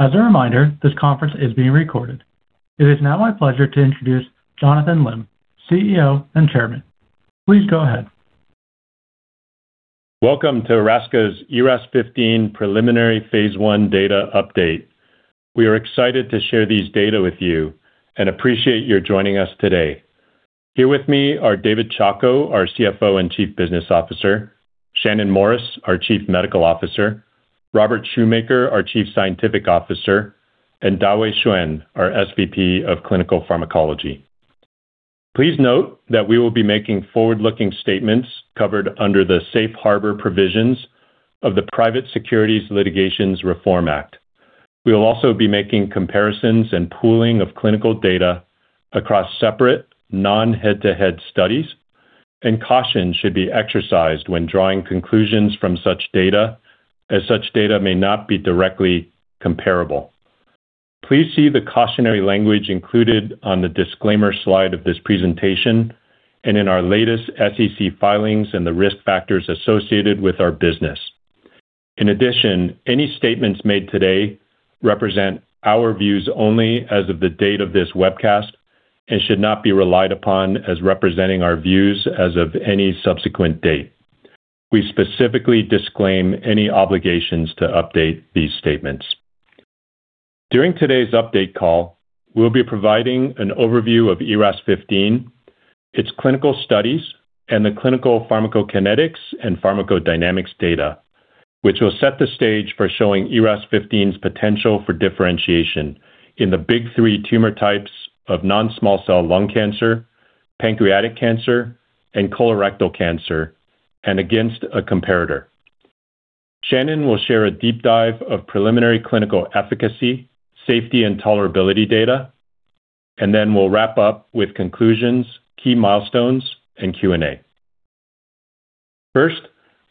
As a reminder, this conference is being recorded. It is now my pleasure to introduce Jonathan Lim, CEO and Chairman. Please go ahead. Welcome to Erasca's ERAS-0015 preliminary Phase I data update. We are excited to share these data with you and appreciate your joining us today. Here with me are David Chacko, our CFO and Chief Business Officer, Shannon Morris, our Chief Medical Officer, Robert Shoemaker, our Chief Scientific Officer, and Dawei Xuan, our SVP of Clinical Pharmacology. Please note that we will be making forward-looking statements covered under the safe harbor provisions of the Private Securities Litigation Reform Act. We will also be making comparisons and pooling of clinical data across separate non-head-to-head studies, and caution should be exercised when drawing conclusions from such data, as such data may not be directly comparable. Please see the cautionary language included on the disclaimer slide of this presentation and in our latest SEC filings and the risk factors associated with our business. In addition, any statements made today represent our views only as of the date of this webcast and should not be relied upon as representing our views as of any subsequent date. We specifically disclaim any obligations to update these statements. During today's update call, we'll be providing an overview of ERAS-0015, its clinical studies, and the clinical pharmacokinetics and pharmacodynamics data, which will set the stage for showing ERAS-0015's potential for differentiation in the big three tumor types of non-small cell lung cancer, pancreatic cancer, and colorectal cancer, and against a comparator. Shannon will share a deep dive of preliminary clinical efficacy, safety, and tolerability data, and then we'll wrap up with conclusions, key milestones, and Q&A. First,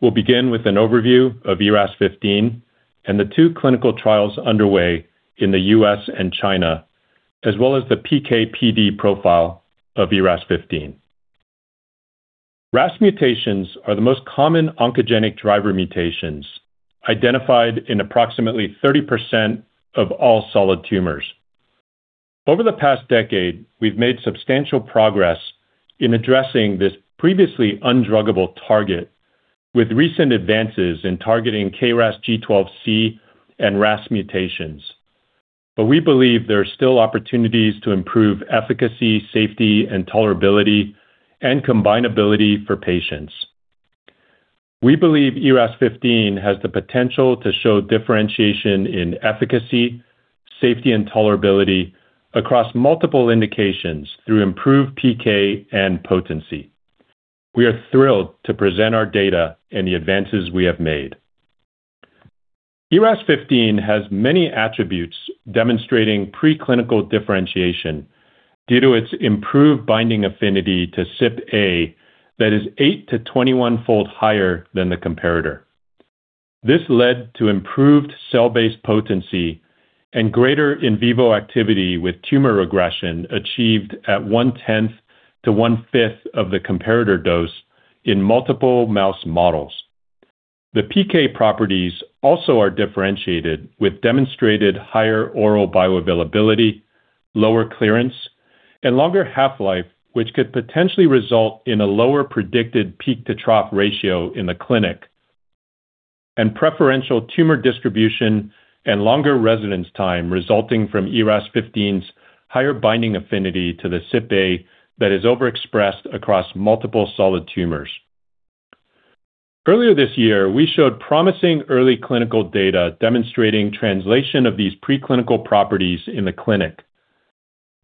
we'll begin with an overview of ERAS-0015 and the two clinical trials underway in the U.S. and China, as well as the PK/PD profile of ERAS-0015. RAS mutations are the most common oncogenic driver mutations identified in approximately 30% of all solid tumors. Over the past decade, we've made substantial progress in addressing this previously undruggable target with recent advances in targeting KRAS G12C and RAS mutations. We believe there are still opportunities to improve efficacy, safety, and tolerability, and combinability for patients. We believe ERAS-0015 has the potential to show differentiation in efficacy, safety, and tolerability across multiple indications through improved PK and potency. We are thrilled to present our data and the advances we have made. ERAS-0015 has many attributes demonstrating preclinical differentiation due to its improved binding affinity to CypA that is 8- to 21-fold higher than the comparator. This led to improved cell-based potency and greater in vivo activity with tumor regression achieved at one-tenth to one-fifth of the comparator dose in multiple mouse models. The PK properties also are differentiated with demonstrated higher oral bioavailability, lower clearance, and longer half-life, which could potentially result in a lower predicted peak-to-trough ratio in the clinic, and preferential tumor distribution and longer residence time resulting from ERAS-0015's higher binding affinity to the CypA that is overexpressed across multiple solid tumors. Earlier this year, we showed promising early clinical data demonstrating translation of these preclinical properties in the clinic.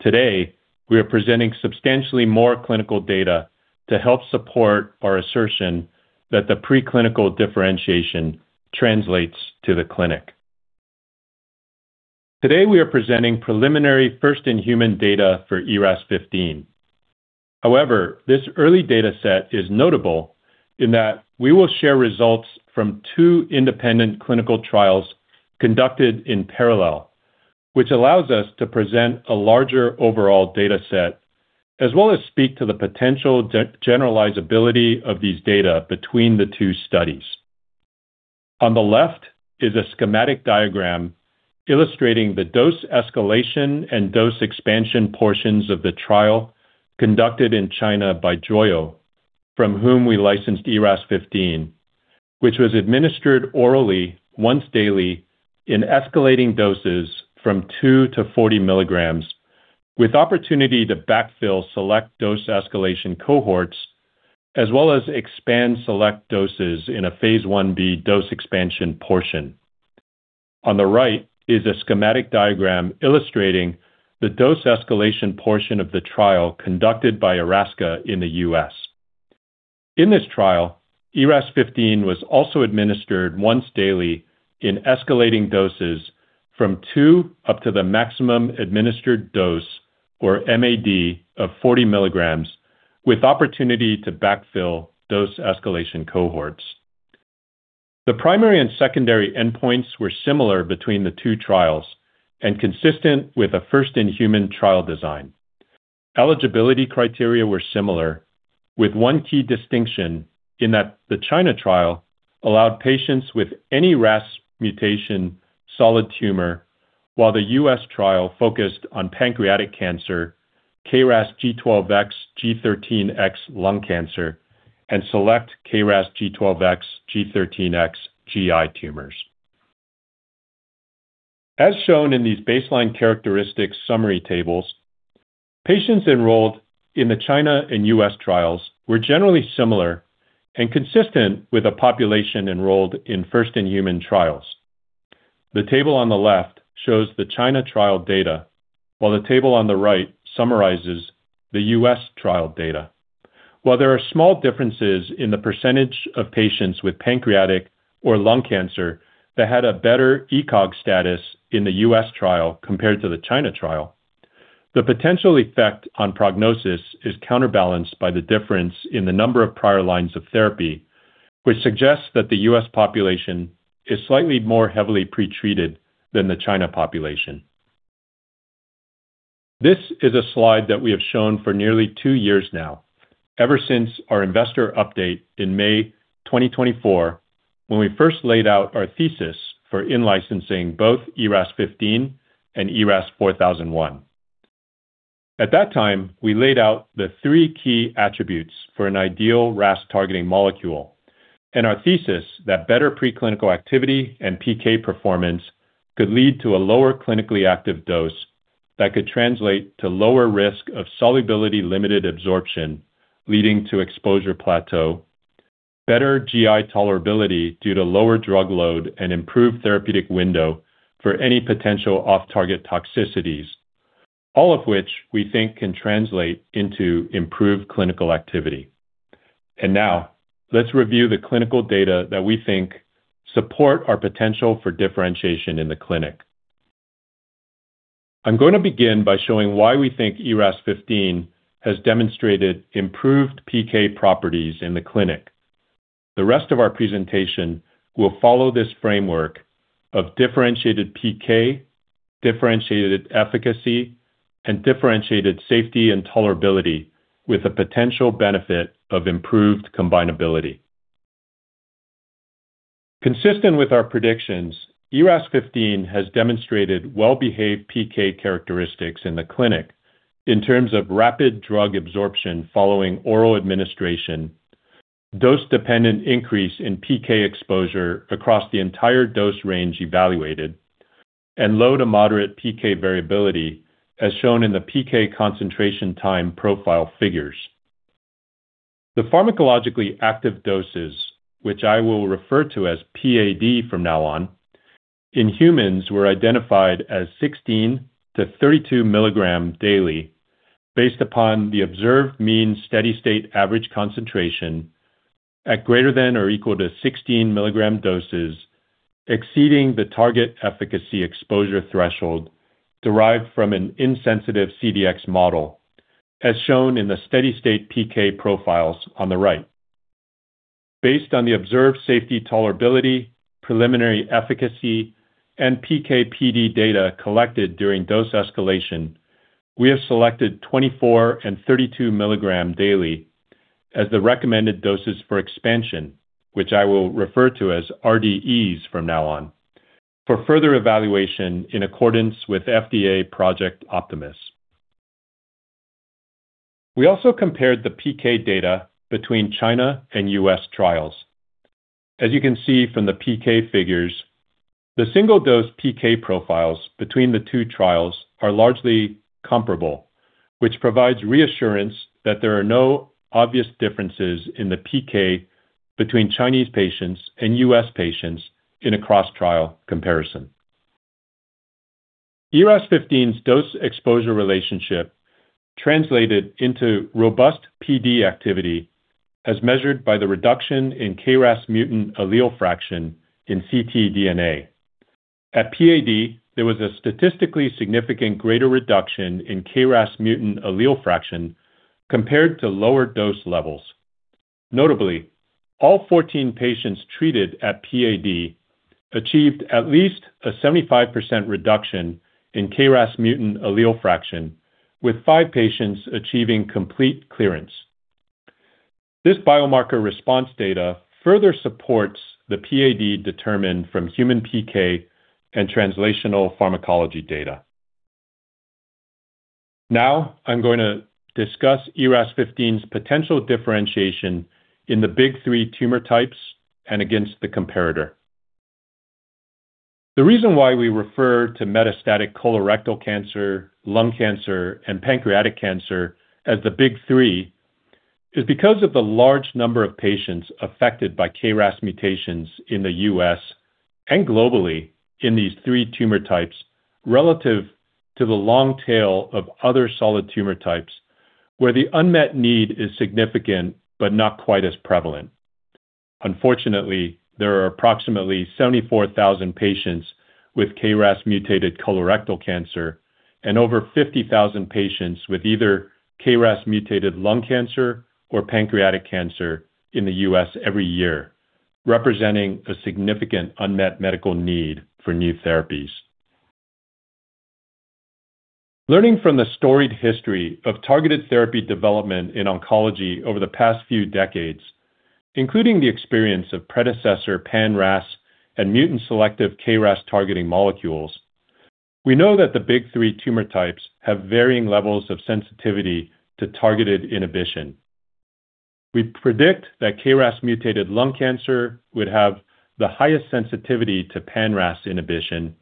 Today, we are presenting substantially more clinical data to help support our assertion that the preclinical differentiation translates to the clinic. Today, we are presenting preliminary first-in-human data for ERAS-0015. However, this early data set is notable in that we will share results from two independent clinical trials conducted in parallel, which allows us to present a larger overall data set as well as speak to the potential generalizability of these data between the two studies. On the left is a schematic diagram illustrating the dose escalation and dose expansion portions of the trial conducted in China by Joyo, from whom we licensed ERAS-0015, which was administered orally once daily in escalating doses from two to 40 milligrams, with opportunity to backfill select dose escalation cohorts as well as expand select doses in a Phase Ib dose expansion portion. On the right is a schematic diagram illustrating the dose escalation portion of the trial conducted by Erasca in the U.S. In this trial, ERAS-0015 was also administered once daily in escalating doses from two up to the maximum administered dose or MAD of 40 milligrams with opportunity to backfill dose escalation cohorts. The primary and secondary endpoints were similar between the two trials and consistent with a first-in-human trial design. Eligibility criteria were similar, with one key distinction in that the China trial allowed patients with any RAS-mutated solid tumor, while the U.S. trial focused on pancreatic cancer, KRAS G12X/G13X lung cancer, and select KRAS G12X/G13X GI tumors. As shown in these baseline characteristics summary tables, patients enrolled in the China and U.S. trials were generally similar and consistent with a population enrolled in first-in-human trials. The table on the left shows the China trial data, while the table on the right summarizes the U.S. trial data. While there are small differences in the percentage of patients with pancreatic or lung cancer that had a better ECOG status in the U.S. trial compared to the China trial, the potential effect on prognosis is counterbalanced by the difference in the number of prior lines of therapy, which suggests that the U.S. population is slightly more heavily pretreated than the China population. This is a slide that we have shown for nearly two years now, ever since our investor update in May 2024 when we first laid out our thesis for in-licensing both ERAS-0015 and ERAS-4001. At that time, we laid out the three key attributes for an ideal RAS-targeting molecule and our thesis that better preclinical activity and PK performance could lead to a lower clinically active dose that could translate to lower risk of solubility-limited absorption, leading to exposure plateau, better GI tolerability due to lower drug load, and improved therapeutic window for any potential off-target toxicities, all of which we think can translate into improved clinical activity. Now let's review the clinical data that we think support our potential for differentiation in the clinic. I'm going to begin by showing why we think ERAS-0015 has demonstrated improved PK properties in the clinic. The rest of our presentation will follow this framework of differentiated PK, differentiated efficacy, and differentiated safety and tolerability with a potential benefit of improved combinability. Consistent with our predictions, ERAS-0015 has demonstrated well-behaved PK characteristics in the clinic in terms of rapid drug absorption following oral administration, dose-dependent increase in PK exposure across the entire dose range evaluated, and low to moderate PK variability, as shown in the PK concentration time profile figures. The pharmacologically active doses, which I will refer to as PAD from now on, in humans were identified as 16-32 mg daily based upon the observed mean steady-state average concentration at ≥16 mg doses exceeding the target efficacy exposure threshold derived from an insensitive CDX model, as shown in the steady-state PK profiles on the right. Based on the observed safety tolerability, preliminary efficacy, and PK/PD data collected during dose escalation, we have selected 24- and 32-mg daily as the recommended doses for expansion, which I will refer to as RDEs from now on, for further evaluation in accordance with FDA Project Optimus. We also compared the PK data between China and U.S. trials. As you can see from the PK figures, the single-dose PK profiles between the two trials are largely comparable, which provides reassurance that there are no obvious differences in the PK between Chinese patients and U.S. patients in a cross-trial comparison. ERAS-0015's dose-exposure relationship translated into robust PD activity as measured by the reduction in KRAS mutant allele fraction in ctDNA. At PAD, there was a statistically significant greater reduction in KRAS mutant allele fraction compared to lower dose levels. Notably, all 14 patients treated at PAD achieved at least a 75% reduction in KRAS mutant allele fraction, with five patients achieving complete clearance. This biomarker response data further supports the PAD determined from human PK and translational pharmacology data. Now I'm going to discuss ERAS-0015's potential differentiation in the big three tumor types and against the comparator. The reason why we refer to metastatic colorectal cancer, lung cancer, and pancreatic cancer as the big three is because of the large number of patients affected by KRAS mutations in the U.S. and globally in these three tumor types relative to the long tail of other solid tumor types where the unmet need is significant but not quite as prevalent. Unfortunately, there are approximately 74,000 patients with KRAS-mutated colorectal cancer and over 50,000 patients with either KRAS-mutated lung cancer or pancreatic cancer in the U.S. every year, representing a significant unmet medical need for new therapies. Learning from the storied history of targeted therapy development in oncology over the past few decades, including the experience of predecessor pan-RAS and mutant selective KRAS targeting molecules, we know that the big three tumor types have varying levels of sensitivity to targeted inhibition. We predict that KRAS-mutated lung cancer would have the highest sensitivity to pan-RAS inhibition,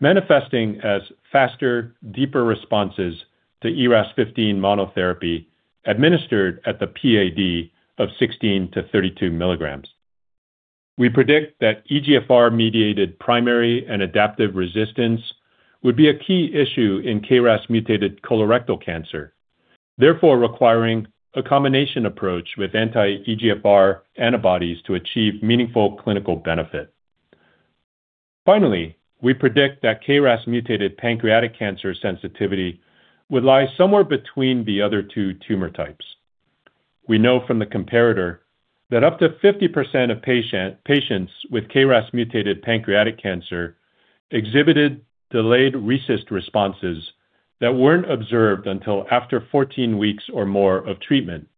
manifesting as faster, deeper responses to ERAS-0015 monotherapy administered at the PAD of 16-32 mg. We predict that EGFR-mediated primary and adaptive resistance would be a key issue in KRAS-mutated colorectal cancer, therefore requiring a combination approach with anti-EGFR antibodies to achieve meaningful clinical benefit. Finally, we predict that KRAS mutated pancreatic cancer sensitivity would lie somewhere between the other two tumor types. We know from the comparator that up to 50% of patients with KRAS mutated pancreatic cancer exhibited delayed robust responses that weren't observed until after 14 weeks or more of treatment.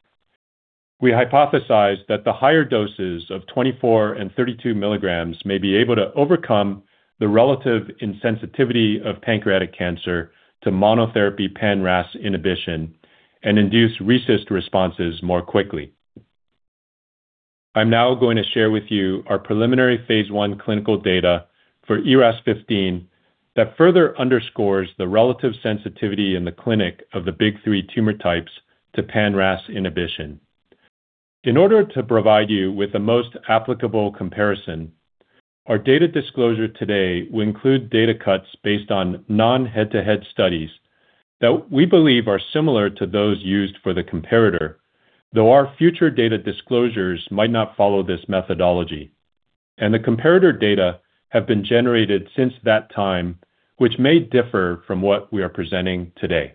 We hypothesized that the higher doses of 24 mg and 32 mg may be able to overcome the relative insensitivity of pancreatic cancer to monotherapy pan-RAS inhibition and induce robust responses more quickly. I'm now going to share with you our preliminary Phase I clinical data for ERAS-0015 that further underscores the relative sensitivity in the clinic of the big three tumor types to pan-RAS inhibition. In order to provide you with the most applicable comparison, our data disclosure today will include data cuts based on non-head-to-head studies that we believe are similar to those used for the comparator, though our future data disclosures might not follow this methodology, and the comparator data have been generated since that time, which may differ from what we are presenting today.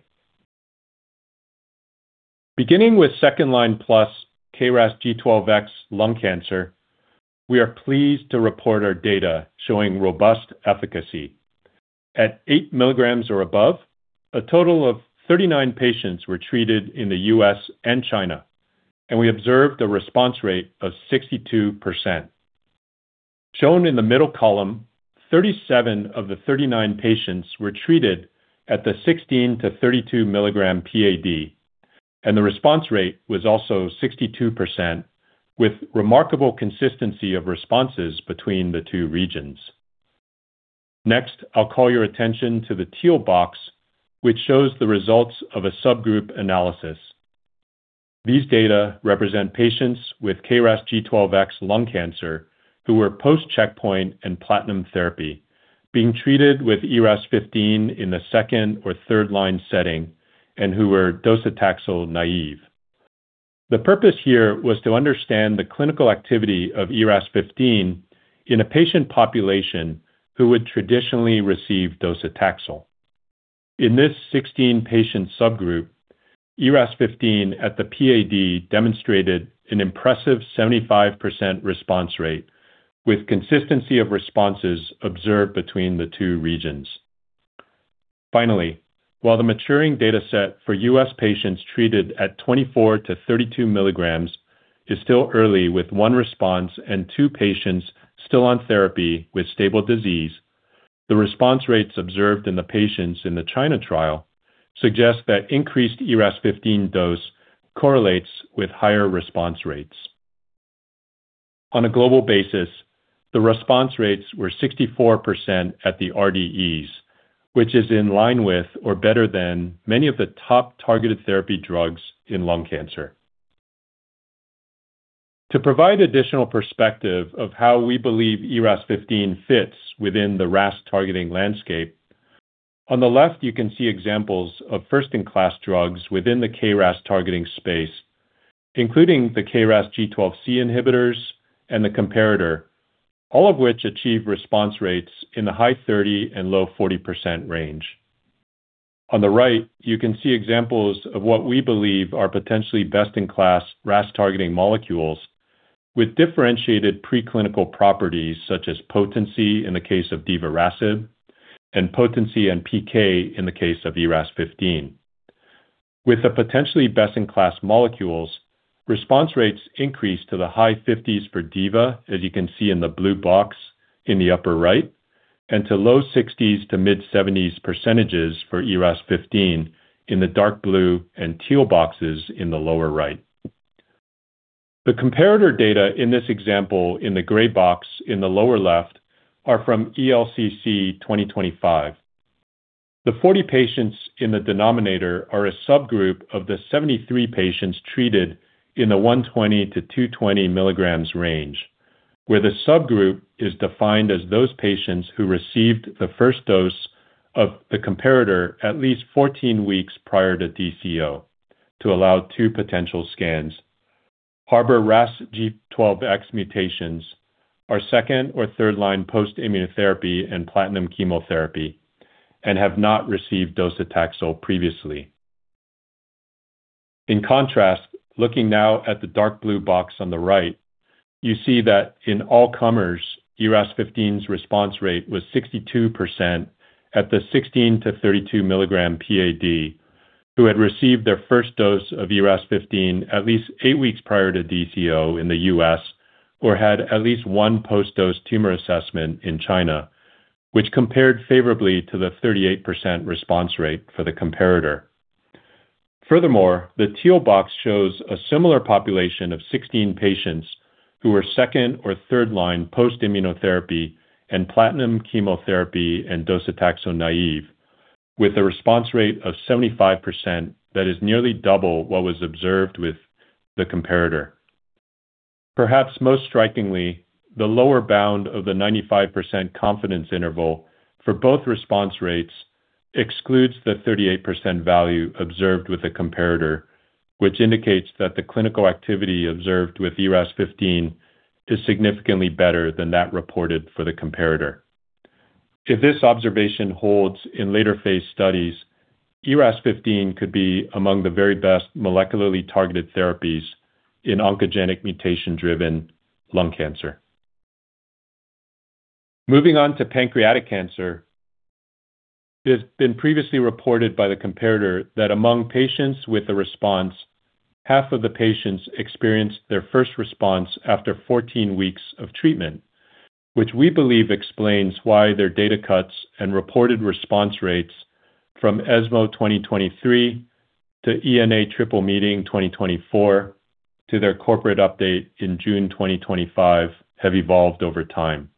Beginning with second-line plus KRAS G12X lung cancer, we are pleased to report our data showing robust efficacy. At 8 mg or above, a total of 39 patients were treated in the U.S. and China, and we observed a response rate of 62%. Shown in the middle column, 37 of the 39 patients were treated at the 16-32 mg PAD, and the response rate was also 62%, with remarkable consistency of responses between the two regions. Next, I'll call your attention to the teal box, which shows the results of a subgroup analysis. These data represent patients with KRAS G12X lung cancer who were post-checkpoint and platinum therapy being treated with ERAS-0015 in the second or third line setting and who were docetaxel naive. The purpose here was to understand the clinical activity of ERAS-0015 in a patient population who would traditionally receive docetaxel. In this 16-patient subgroup, ERAS-0015 at the PAD demonstrated an impressive 75% response rate with consistency of responses observed between the two regions. Finally, while the maturing dataset for U.S. patients treated at 24-32 mg is still early with 1 response and 2 patients still on therapy with stable disease, the response rates observed in the patients in the China trial suggest that increased ERAS-0015 dose correlates with higher response rates. On a global basis, the response rates were 64% at the RDEs, which is in line with or better than many of the top targeted therapy drugs in lung cancer. To provide additional perspective of how we believe ERAS-0015 fits within the RAS targeting landscape, on the left you can see examples of first-in-class drugs within the KRAS targeting space, including the KRAS G12C inhibitors and the comparator, all of which achieve response rates in the high 30% and low 40% range. On the right, you can see examples of what we believe are potentially best-in-class RAS targeting molecules with differentiated preclinical properties such as potency in the case of divarasib and potency and PK in the case of ERAS-0015. With the potentially best-in-class molecules, response rates increase to the high 50s% for divarasib, as you can see in the blue box in the upper right, and to low 60s%-mid-70s% for ERAS-0015 in the dark blue and teal boxes in the lower right. The comparator data in this example in the gray box in the lower left are from ELCC 2025. The 40 patients in the denominator are a subgroup of the 73 patients treated in the 120-220 mg range, where the subgroup is defined as those patients who received the first dose of the comparator at least 14 weeks prior to DCO to allow two potential scans. Patients harboring KRAS G12X mutations are second- or third-line post-immunotherapy and platinum chemotherapy and have not received docetaxel previously. In contrast, looking now at the dark blue box on the right, you see that in all comers, ERAS-0015's response rate was 62% at the 16-32 mg/day PAD, who had received their first dose of ERAS-0015 at least eight weeks prior to DCO in the U.S. or had at least one post-dose tumor assessment in China, which compared favorably to the 38% response rate for the comparator. Furthermore, the teal box shows a similar population of 16 patients who were second- or third-line post-immunotherapy and platinum chemotherapy and docetaxel-naive with a response rate of 75% that is nearly double what was observed with the comparator. Perhaps most strikingly, the lower bound of the 95% confidence interval for both response rates excludes the 38% value observed with the comparator, which indicates that the clinical activity observed with ERAS-0015 is significantly better than that reported for the comparator. If this observation holds in later Phase studies, ERAS-0015 could be among the very best molecularly targeted therapies in oncogenic mutation-driven lung cancer. Moving on to pancreatic cancer, it has been previously reported by the comparator that among patients with a response, half of the patients experienced their first response after 14 weeks of treatment, which we believe explains why their data cuts and reported response rates from ESMO 2023 to ENA triple meeting 2024 to their corporate update in June 2025 have evolved over time.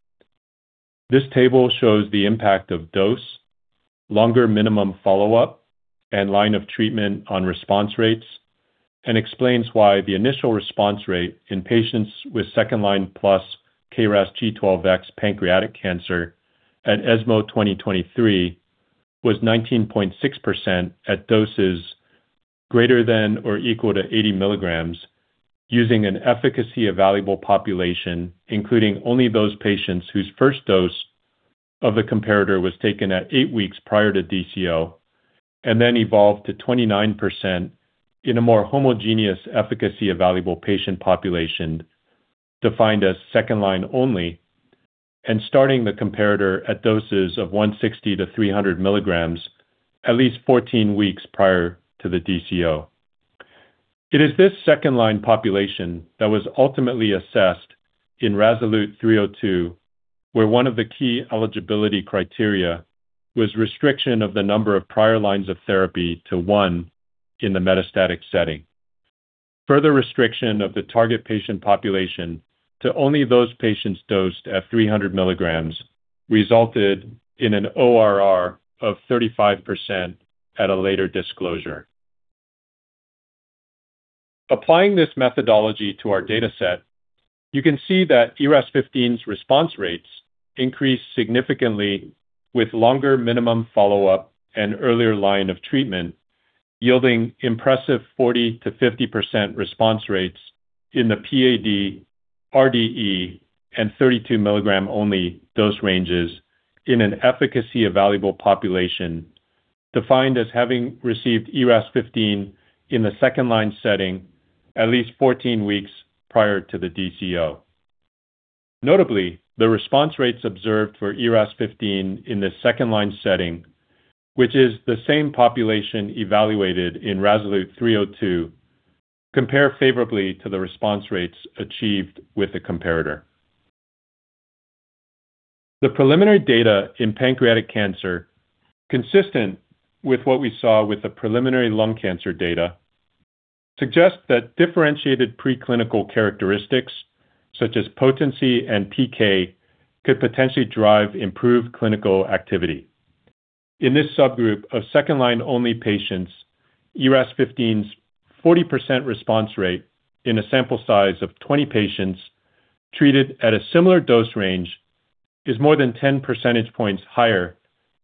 This table shows the impact of dose, longer minimum follow-up and line of treatment on response rates and explains why the initial response rate in patients with second-line plus KRAS G12X pancreatic cancer at ESMO 2023 was 19.6% at doses greater than or equal to 80 mg using an efficacy evaluable population, including only those patients whose first dose of the comparator was taken at 8 weeks prior to DCO and then evolved to 29% in a more homogeneous efficacy evaluable patient population defined as second-line only and starting the comparator at doses of 160-300 mg at least 14 weeks prior to the DCO. It is this second-line population that was ultimately assessed in RASolute 302, where one of the key eligibility criteria was restriction of the number of prior lines of therapy to one in the metastatic setting. Further restriction of the target patient population to only those patients dosed at 300 milligrams resulted in an ORR of 35% at a later disclosure. Applying this methodology to our data set, you can see that ERAS-0015's response rates increase significantly with longer minimum follow-up and earlier line of treatment, yielding impressive 40%-50% response rates in the PAD, RDE, and 32 milligram only dose ranges in an efficacy evaluable population defined as having received ERAS-0015 in the second-line setting at least 14 weeks prior to the DCO. Notably, the response rates observed for ERAS-0015 in the second-line setting, which is the same population evaluated in RASolute 302, compare favorably to the response rates achieved with the comparator. The preliminary data in pancreatic cancer, consistent with what we saw with the preliminary lung cancer data, suggests that differentiated preclinical characteristics such as potency and PK could potentially drive improved clinical activity. In this subgroup of second-line-only patients, ERAS-0015's 40% response rate in a sample size of 20 patients treated at a similar dose range is more than 10 percentage points higher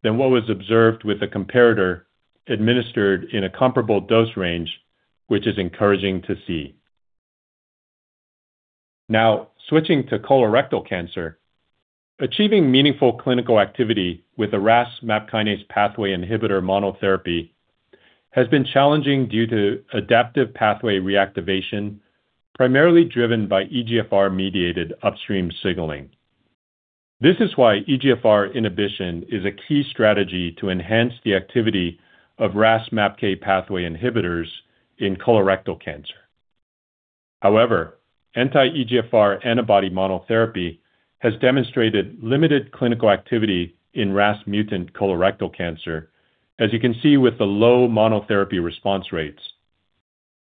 than what was observed with the comparator administered in a comparable dose range, which is encouraging to see. Now, switching to colorectal cancer, achieving meaningful clinical activity with a RAS/MAPK pathway inhibitor monotherapy has been challenging due to adaptive pathway reactivation, primarily driven by EGFR-mediated upstream signaling. This is why EGFR inhibition is a key strategy to enhance the activity of RAS/MAPK pathway inhibitors in colorectal cancer. However, anti-EGFR antibody monotherapy has demonstrated limited clinical activity in RAS mutant colorectal cancer, as you can see with the low monotherapy response rates.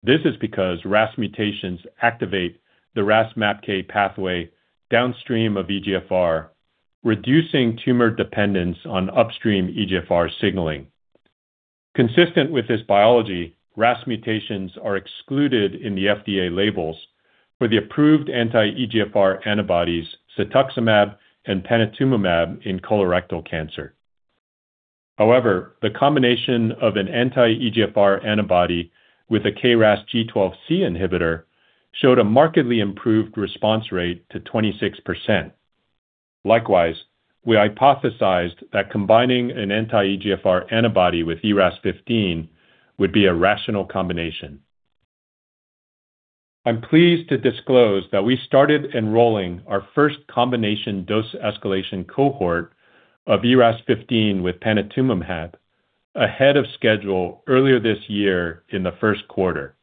This is because RAS mutations activate the RAS MAPK pathway downstream of EGFR, reducing tumor dependence on upstream EGFR signaling. Consistent with this biology, RAS mutations are excluded in the FDA labels for the approved anti-EGFR antibodies cetuximab and panitumumab in colorectal cancer. However, the combination of an anti-EGFR antibody with a KRAS G12C inhibitor showed a markedly improved response rate to 26%. Likewise, we hypothesized that combining an anti-EGFR antibody with ERAS-0015 would be a rational combination. I'm pleased to disclose that we started enrolling our first combination dose escalation cohort of ERAS-0015 with panitumumab ahead of schedule earlier this year in the first quarter.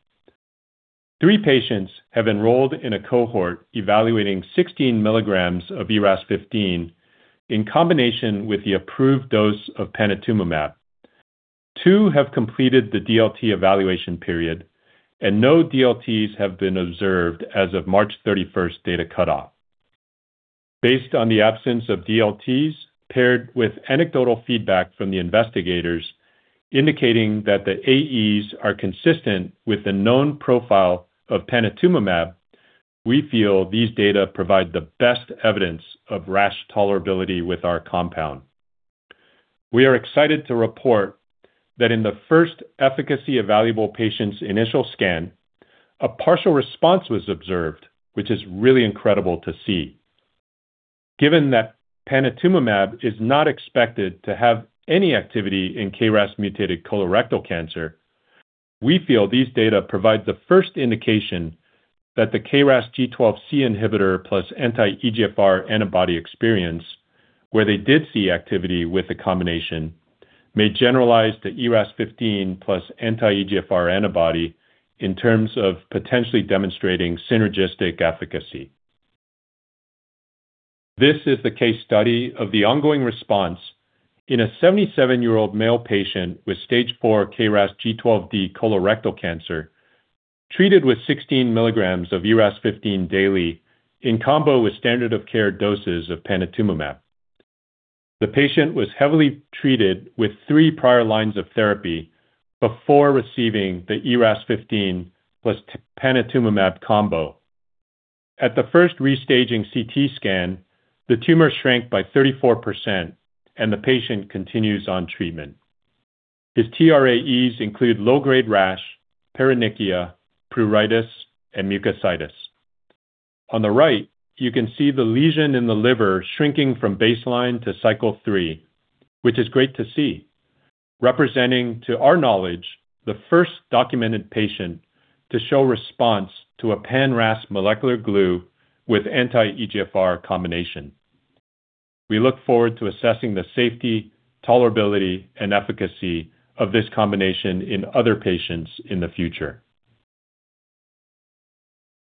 Three patients have enrolled in a cohort evaluating 16 mg of ERAS-0015 in combination with the approved dose of panitumumab. Two have completed the DLT evaluation period, and no DLTs have been observed as of March 31 data cutoff. Based on the absence of DLTs, paired with anecdotal feedback from the investigators indicating that the AEs are consistent with the known profile of panitumumab, we feel these data provide the best evidence of rash tolerability with our compound. We are excited to report that in the first efficacy evaluable patient's initial scan, a partial response was observed, which is really incredible to see. Given that panitumumab is not expected to have any activity in KRAS-mutated colorectal cancer, we feel these data provide the first indication that the KRAS G12C inhibitor plus anti-EGFR antibody experience, where they did see activity with the combination, may generalize the ERAS-0015 plus anti-EGFR antibody in terms of potentially demonstrating synergistic efficacy. This is the case study of the ongoing response in a 77-year-old male patient with stage 4 KRAS G12D colorectal cancer treated with 16 mg of ERAS-0015 daily in combo with standard of care doses of panitumumab. The patient was heavily treated with three prior lines of therapy before receiving the ERAS-0015 plus panitumumab combo. At the first restaging CT scan, the tumor shrank by 34% and the patient continues on treatment. His TRAEs include low-grade rash, paronychia, pruritus, and mucositis. On the right, you can see the lesion in the liver shrinking from baseline to cycle 3, which is great to see, representing, to our knowledge, the first documented patient to show response to a pan-RAS molecular glue with anti-EGFR combination. We look forward to assessing the safety, tolerability, and efficacy of this combination in other patients in the future.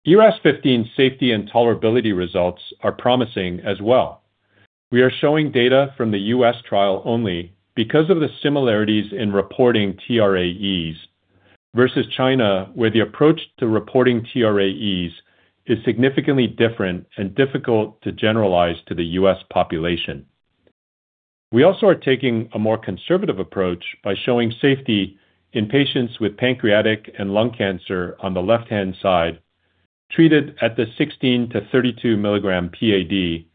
ERAS-0015 safety and tolerability results are promising as well. We are showing data from the U.S. trial only because of the differences in reporting TRAEs versus China, where the approach to reporting TRAEs is significantly different and difficult to generalize to the U.S. population. We also are taking a more conservative approach by showing safety in patients with pancreatic and lung cancer on the left-hand side, treated at the 16-32 mg PAD,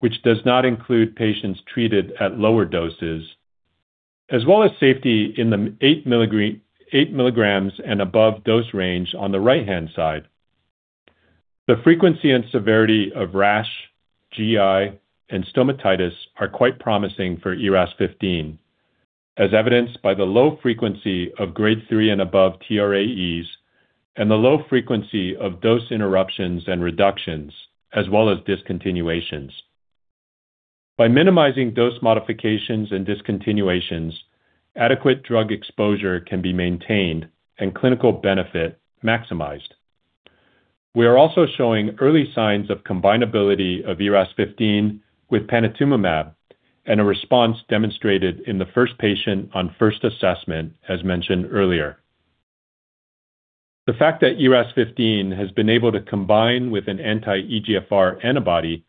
which does not include patients treated at lower doses, as well as safety in the eight milligrams and above dose range on the right-hand side. The frequency and severity of rash, GI, and stomatitis are quite promising for ERAS-0015, as evidenced by the low frequency of grade 3 and above TRAEs and the low frequency of dose interruptions and reductions, as well as discontinuations. By minimizing dose modifications and discontinuations, adequate drug exposure can be maintained and clinical benefit maximized. We are also showing early signs of combinability of ERAS-0015 with panitumumab and a response demonstrated in the first patient on first assessment, as mentioned earlier. The fact that ERAS-0015 has been able to combine with an anti-EGFR antibody,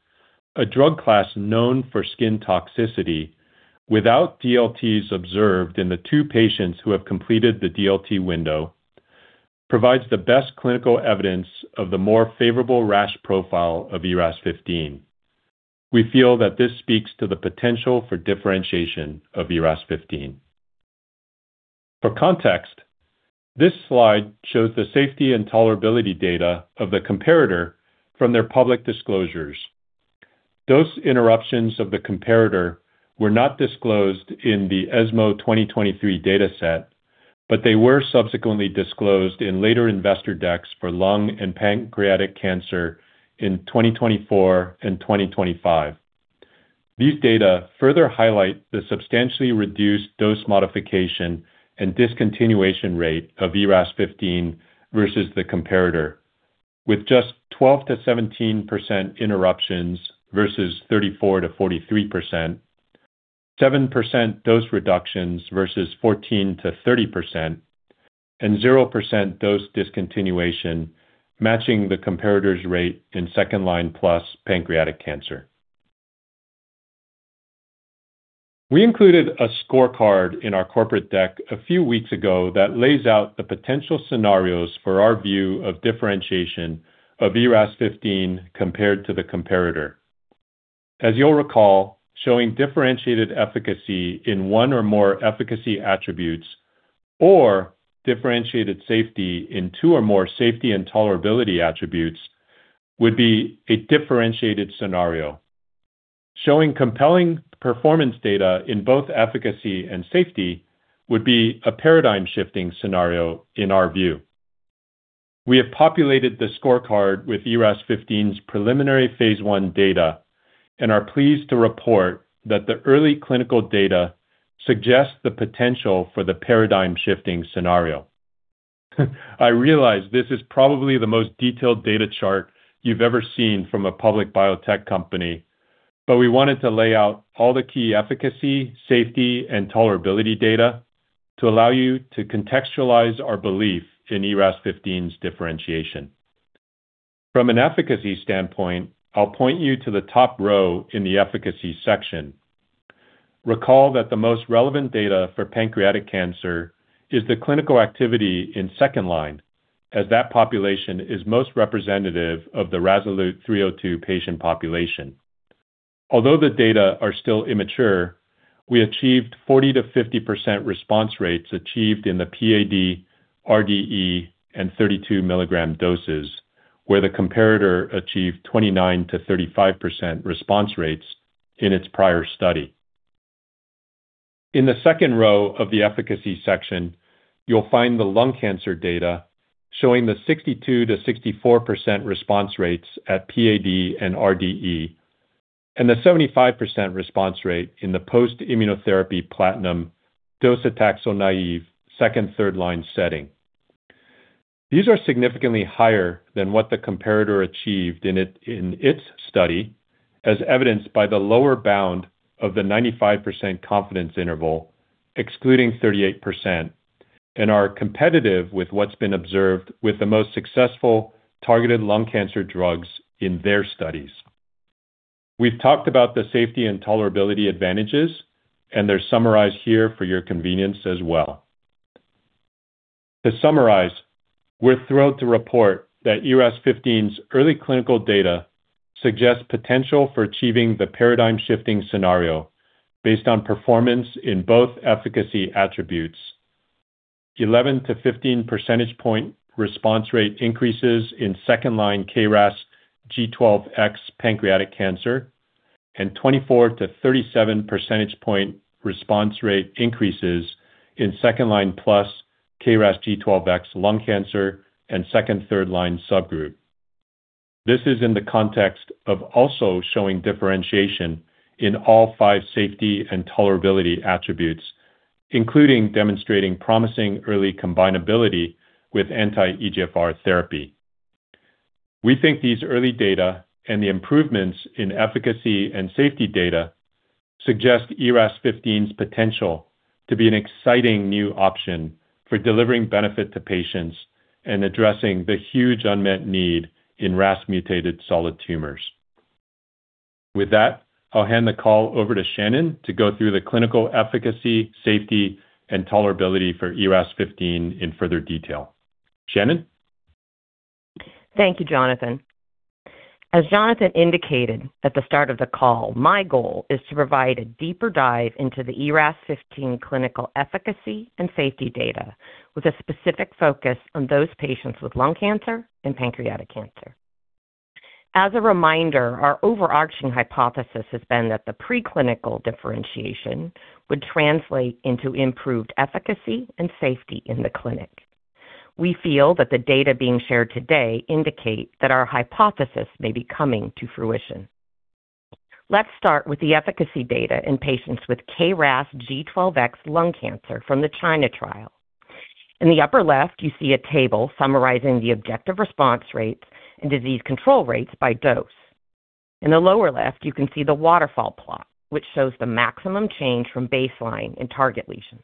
a drug class known for skin toxicity, without DLTs observed in the two patients who have completed the DLT window, provides the best clinical evidence of the more favorable rash profile of ERAS-0015. We feel that this speaks to the potential for differentiation of ERAS-0015. For context, this slide shows the safety and tolerability data of the comparator from their public disclosures. Dose interruptions of the comparator were not disclosed in the ESMO 2023 dataset, but they were subsequently disclosed in later investor decks for lung and pancreatic cancer in 2024 and 2025. These data further highlight the substantially reduced dose modification and discontinuation rate of ERAS-0015 versus the comparator, with just 12%-17% interruptions versus 34%-43%, 7% dose reductions versus 14%-30% and 0% dose discontinuation, matching the comparator's rate in second-line plus pancreatic cancer. We included a scorecard in our corporate deck a few weeks ago that lays out the potential scenarios for our view of differentiation of ERAS-0015 compared to the comparator. As you'll recall, showing differentiated efficacy in one or more efficacy attributes or differentiated safety in two or more safety and tolerability attributes would be a differentiated scenario. Showing compelling performance data in both efficacy and safety would be a paradigm-shifting scenario in our view. We have populated the scorecard with ERAS-0015's preliminary Phase I data and are pleased to report that the early clinical data suggests the potential for the paradigm-shifting scenario. I realize this is probably the most detailed data chart you've ever seen from a public biotech company, but we wanted to lay out all the key efficacy, safety, and tolerability data to allow you to contextualize our belief in ERAS-0015's differentiation. From an efficacy standpoint, I'll point you to the top row in the efficacy section. Recall that the most relevant data for pancreatic cancer is the clinical activity in second line, as that population is most representative of the RASolute 302 patient population. Although the data are still immature, we achieved 40%-50% response rates achieved in the PAD, RDE, and 32 mg doses, where the comparator achieved 29%-35% response rates in its prior study. In the second row of the efficacy section, you'll find the lung cancer data showing the 62%-64% response rates at PAD and RDE and the 75% response rate in the post-immunotherapy platinum docetaxel naive second/third-line setting. These are significantly higher than what the comparator achieved in its study, as evidenced by the lower bound of the 95% confidence interval, excluding 38%, and are competitive with what's been observed with the most successful targeted lung cancer drugs in their studies. We've talked about the safety and tolerability advantages, and they're summarized here for your convenience as well. To summarize, we're thrilled to report that ERAS-0015's early clinical data suggests potential for achieving the paradigm-shifting scenario based on performance in both efficacy attributes. 11-15 percentage point response rate increases in second-line KRAS G12X pancreatic cancer and 24-37 percentage point response rate increases in second-line plus KRAS G12X lung cancer and second/third-line subgroup. This is in the context of also showing differentiation in all five safety and tolerability attributes, including demonstrating promising early combinability with anti-EGFR therapy. We think these early data and the improvements in efficacy and safety data suggest ERAS-0015's potential to be an exciting new option for delivering benefit to patients and addressing the huge unmet need in RAS-mutated solid tumors. With that, I'll hand the call over to Shannon to go through the clinical efficacy, safety, and tolerability for ERAS-0015 in further detail. Shannon? Thank you, Jonathan. As Jonathan indicated at the start of the call, my goal is to provide a deeper dive into the ERAS-0015 clinical efficacy and safety data with a specific focus on those patients with lung cancer and pancreatic cancer. As a reminder, our overarching hypothesis has been that the preclinical differentiation would translate into improved efficacy and safety in the clinic. We feel that the data being shared today indicate that our hypothesis may be coming to fruition. Let's start with the efficacy data in patients with KRAS G12X lung cancer from the China trial. In the upper left, you see a table summarizing the objective response rates and disease control rates by dose. In the lower left, you can see the waterfall plot, which shows the maximum change from baseline in target lesions.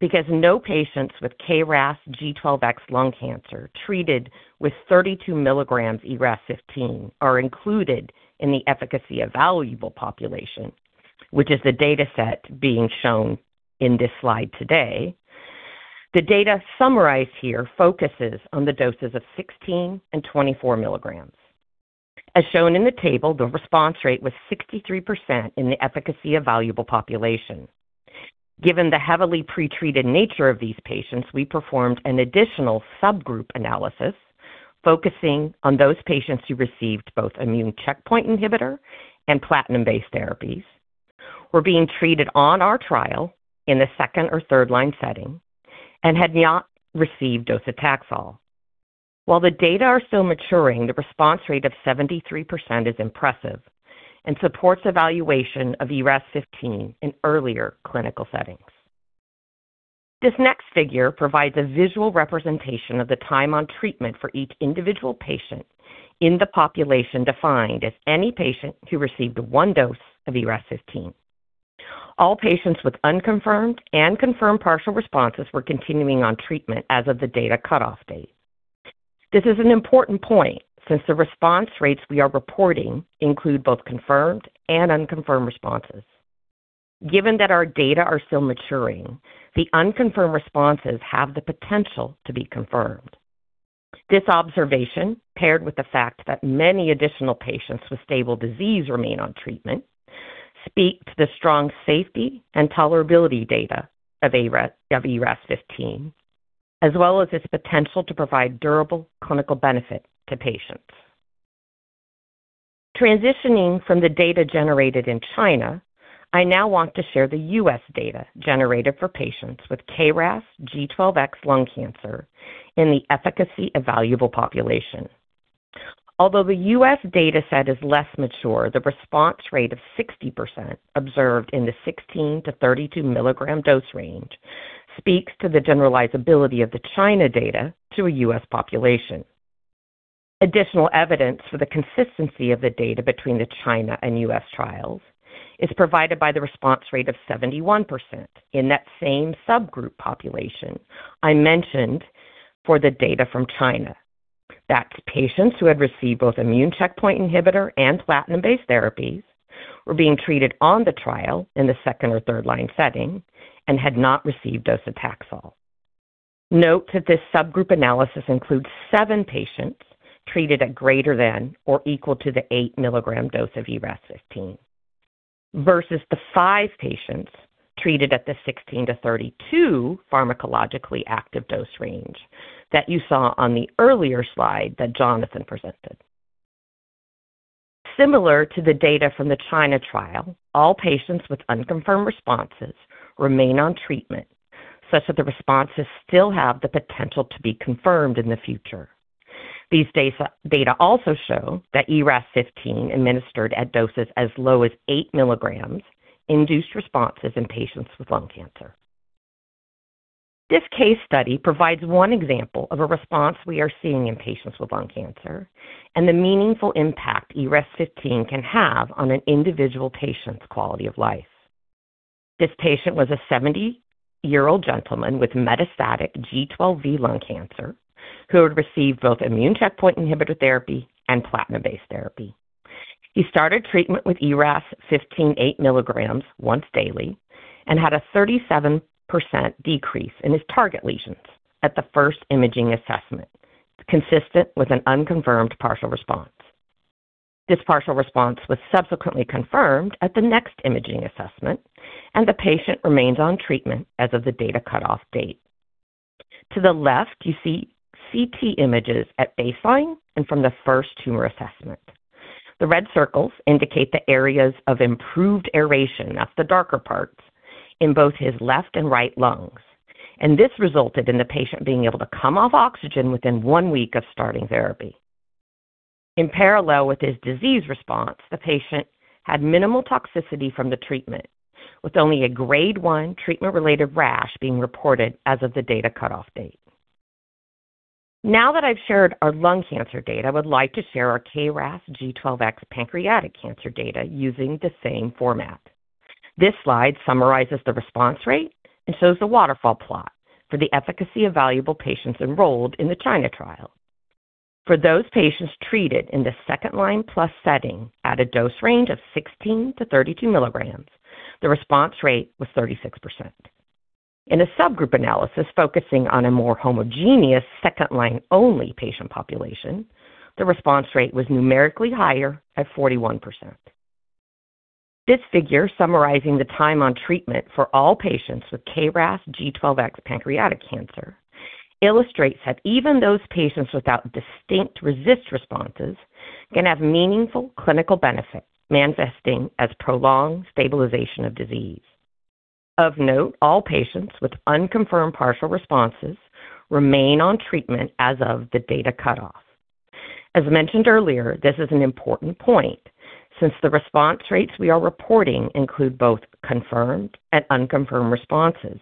Because no patients with KRAS G12X lung cancer treated with 32 mg ERAS-0015 are included in the efficacy evaluable population, which is the dataset being shown in this slide today, the data summarized here focuses on the doses of 16 mg and 24 mg. As shown in the table, the response rate was 63% in the efficacy evaluable population. Given the heavily pretreated nature of these patients, we performed an additional subgroup analysis focusing on those patients who received both immune checkpoint inhibitor and platinum-based therapies, were being treated on our trial in the second or third-line setting, and had not received docetaxel. While the data are still maturing, the response rate of 73% is impressive and supports evaluation of ERAS-0015 in earlier clinical settings. This next figure provides a visual representation of the time on treatment for each individual patient in the population defined as any patient who received one dose of ERAS-0015. All patients with unconfirmed and confirmed partial responses were continuing on treatment as of the data cutoff date. This is an important point since the response rates we are reporting include both confirmed and unconfirmed responses. Given that our data are still maturing, the unconfirmed responses have the potential to be confirmed. This observation, paired with the fact that many additional patients with stable disease remain on treatment, speak to the strong safety and tolerability data of ERAS-0015, as well as its potential to provide durable clinical benefit to patients. Transitioning from the data generated in China, I now want to share the U.S. data generated for patients with KRAS G12X lung cancer in the efficacy evaluable population. Although the U.S. data set is less mature, the response rate of 60% observed in the 16-32 mg dose range speaks to the generalizability of the China data to a U.S. population. Additional evidence for the consistency of the data between the China and U.S. trials is provided by the response rate of 71% in that same subgroup population I mentioned for the data from China. That's patients who had received both immune checkpoint inhibitor and platinum-based therapies were being treated on the trial in the second or third line setting and had not received docetaxel. Note that this subgroup analysis includes 7 patients treated at greater than or equal to the 8 mg dose of ERAS-0015 versus the 5 patients treated at the 16-32 pharmacologically active dose range that you saw on the earlier slide that Jonathan presented. Similar to the data from the China trial, all patients with unconfirmed responses remain on treatment such that the responses still have the potential to be confirmed in the future. These data also show that ERAS-0015 administered at doses as low as 8 milligrams induced responses in patients with lung cancer. This case study provides one example of a response we are seeing in patients with lung cancer and the meaningful impact ERAS-0015 can have on an individual patient's quality of life. This patient was a 70-year-old gentleman with metastatic G12V lung cancer who had received both immune checkpoint inhibitor therapy and platinum-based therapy. He started treatment with ERAS-0015 8 milligrams once daily and had a 37% decrease in his target lesions at the first imaging assessment, consistent with an unconfirmed partial response. This partial response was subsequently confirmed at the next imaging assessment, and the patient remains on treatment as of the data cutoff date. To the left, you see CT images at baseline and from the first tumor assessment. The red circles indicate the areas of improved aeration, that's the darker parts, in both his left and right lungs, and this resulted in the patient being able to come off oxygen within one week of starting therapy. In parallel with his disease response, the patient had minimal toxicity from the treatment, with only a grade one treatment-related rash being reported as of the data cutoff date. Now that I've shared our lung cancer data, I would like to share our KRAS G12X pancreatic cancer data using the same format. This slide summarizes the response rate and shows the waterfall plot for the efficacy evaluable patients enrolled in the China trial. For those patients treated in the second-line plus setting at a dose range of 16-32 milligrams, the response rate was 36%. In a subgroup analysis focusing on a more homogeneous second-line only patient population, the response rate was numerically higher at 41%. This figure summarizing the time on treatment for all patients with KRAS G12X pancreatic cancer illustrates that even those patients without distinct RECIST responses can have meaningful clinical benefits manifesting as prolonged stabilization of disease. Of note, all patients with unconfirmed partial responses remain on treatment as of the data cutoff. As mentioned earlier, this is an important point since the response rates we are reporting include both confirmed and unconfirmed responses,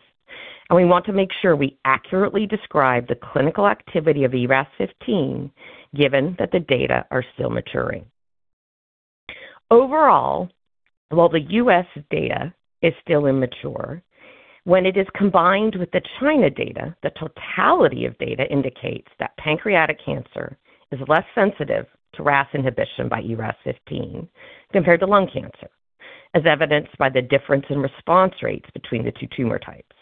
and we want to make sure we accurately describe the clinical activity of ERAS-0015 given that the data are still maturing. Overall, while the US data is still immature, when it is combined with the China data, the totality of data indicates that pancreatic cancer is less sensitive to RAS inhibition by ERAS-0015 compared to lung cancer, as evidenced by the difference in response rates between the two tumor types.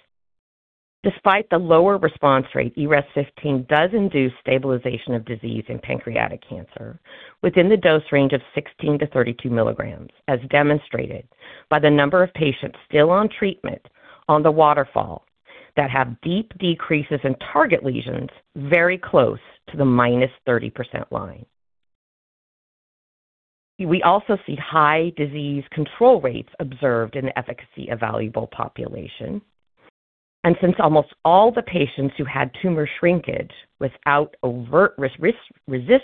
Despite the lower response rate, ERAS-0015 does induce stabilization of disease in pancreatic cancer within the dose range of 16-32 mg, as demonstrated by the number of patients still on treatment on the waterfall that have deep decreases in target lesions very close to the -30% line. We also see high disease control rates observed in the efficacy evaluable population. Since almost all the patients who had tumor shrinkage without overt RECIST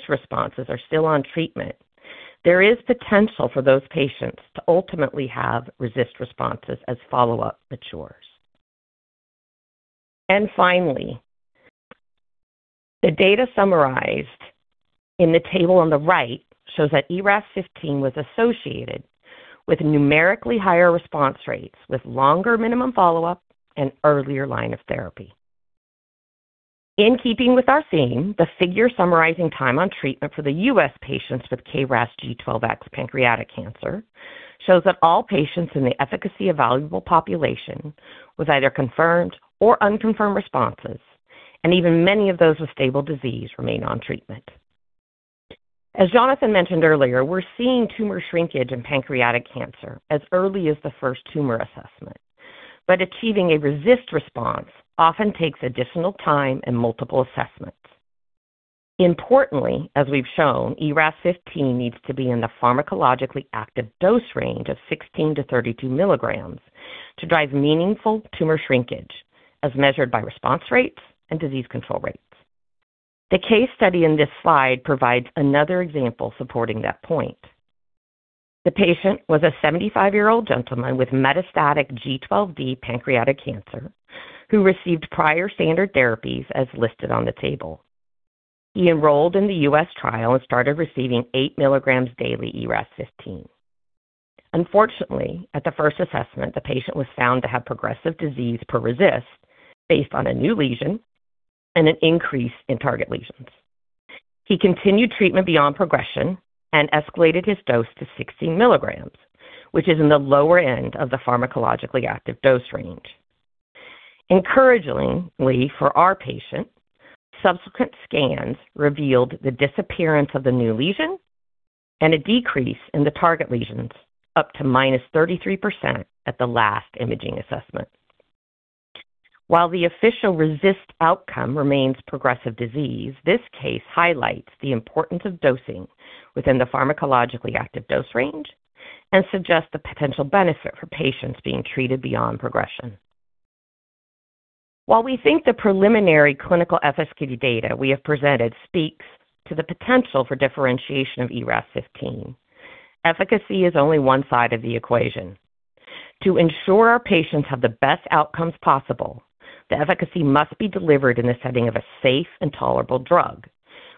responses are still on treatment, there is potential for those patients to ultimately have RECIST responses as follow-up matures. Finally, the data summarized in the table on the right shows that ERAS-fifteen was associated with numerically higher response rates with longer minimum follow-up and earlier line of therapy. In keeping with our theme, the figure summarizing time on treatment for the U.S. patients with KRAS G12X pancreatic cancer shows that all patients in the efficacy evaluable population with either confirmed or unconfirmed responses, and even many of those with stable disease remain on treatment. As Jonathan mentioned earlier, we're seeing tumor shrinkage in pancreatic cancer as early as the first tumor assessment. Achieving a RECIST response often takes additional time and multiple assessments. Importantly, as we've shown, ERAS-0015 needs to be in the pharmacologically active dose range of 16-32 milligrams to drive meaningful tumor shrinkage as measured by response rates and disease control rates. The case study in this slide provides another example supporting that point. The patient was a 75-year-old gentleman with metastatic G12D pancreatic cancer who received prior standard therapies as listed on the table. He enrolled in the U.S. trial and started receiving 8 milligrams daily ERAS-0015. Unfortunately, at the first assessment, the patient was found to have progressive disease per RECIST based on a new lesion and an increase in target lesions. He continued treatment beyond progression and escalated his dose to 16 milligrams, which is in the lower end of the pharmacologically active dose range. Encouragingly for our patient, subsequent scans revealed the disappearance of the new lesion and a decrease in the target lesions up to -33% at the last imaging assessment. While the official RECIST outcome remains progressive disease, this case highlights the importance of dosing within the pharmacologically active dose range and suggests the potential benefit for patients being treated beyond progression. While we think the preliminary clinical FSGD data we have presented speaks to the potential for differentiation of ERAS-0015, efficacy is only one side of the equation. To ensure our patients have the best outcomes possible, the efficacy must be delivered in the setting of a safe and tolerable drug,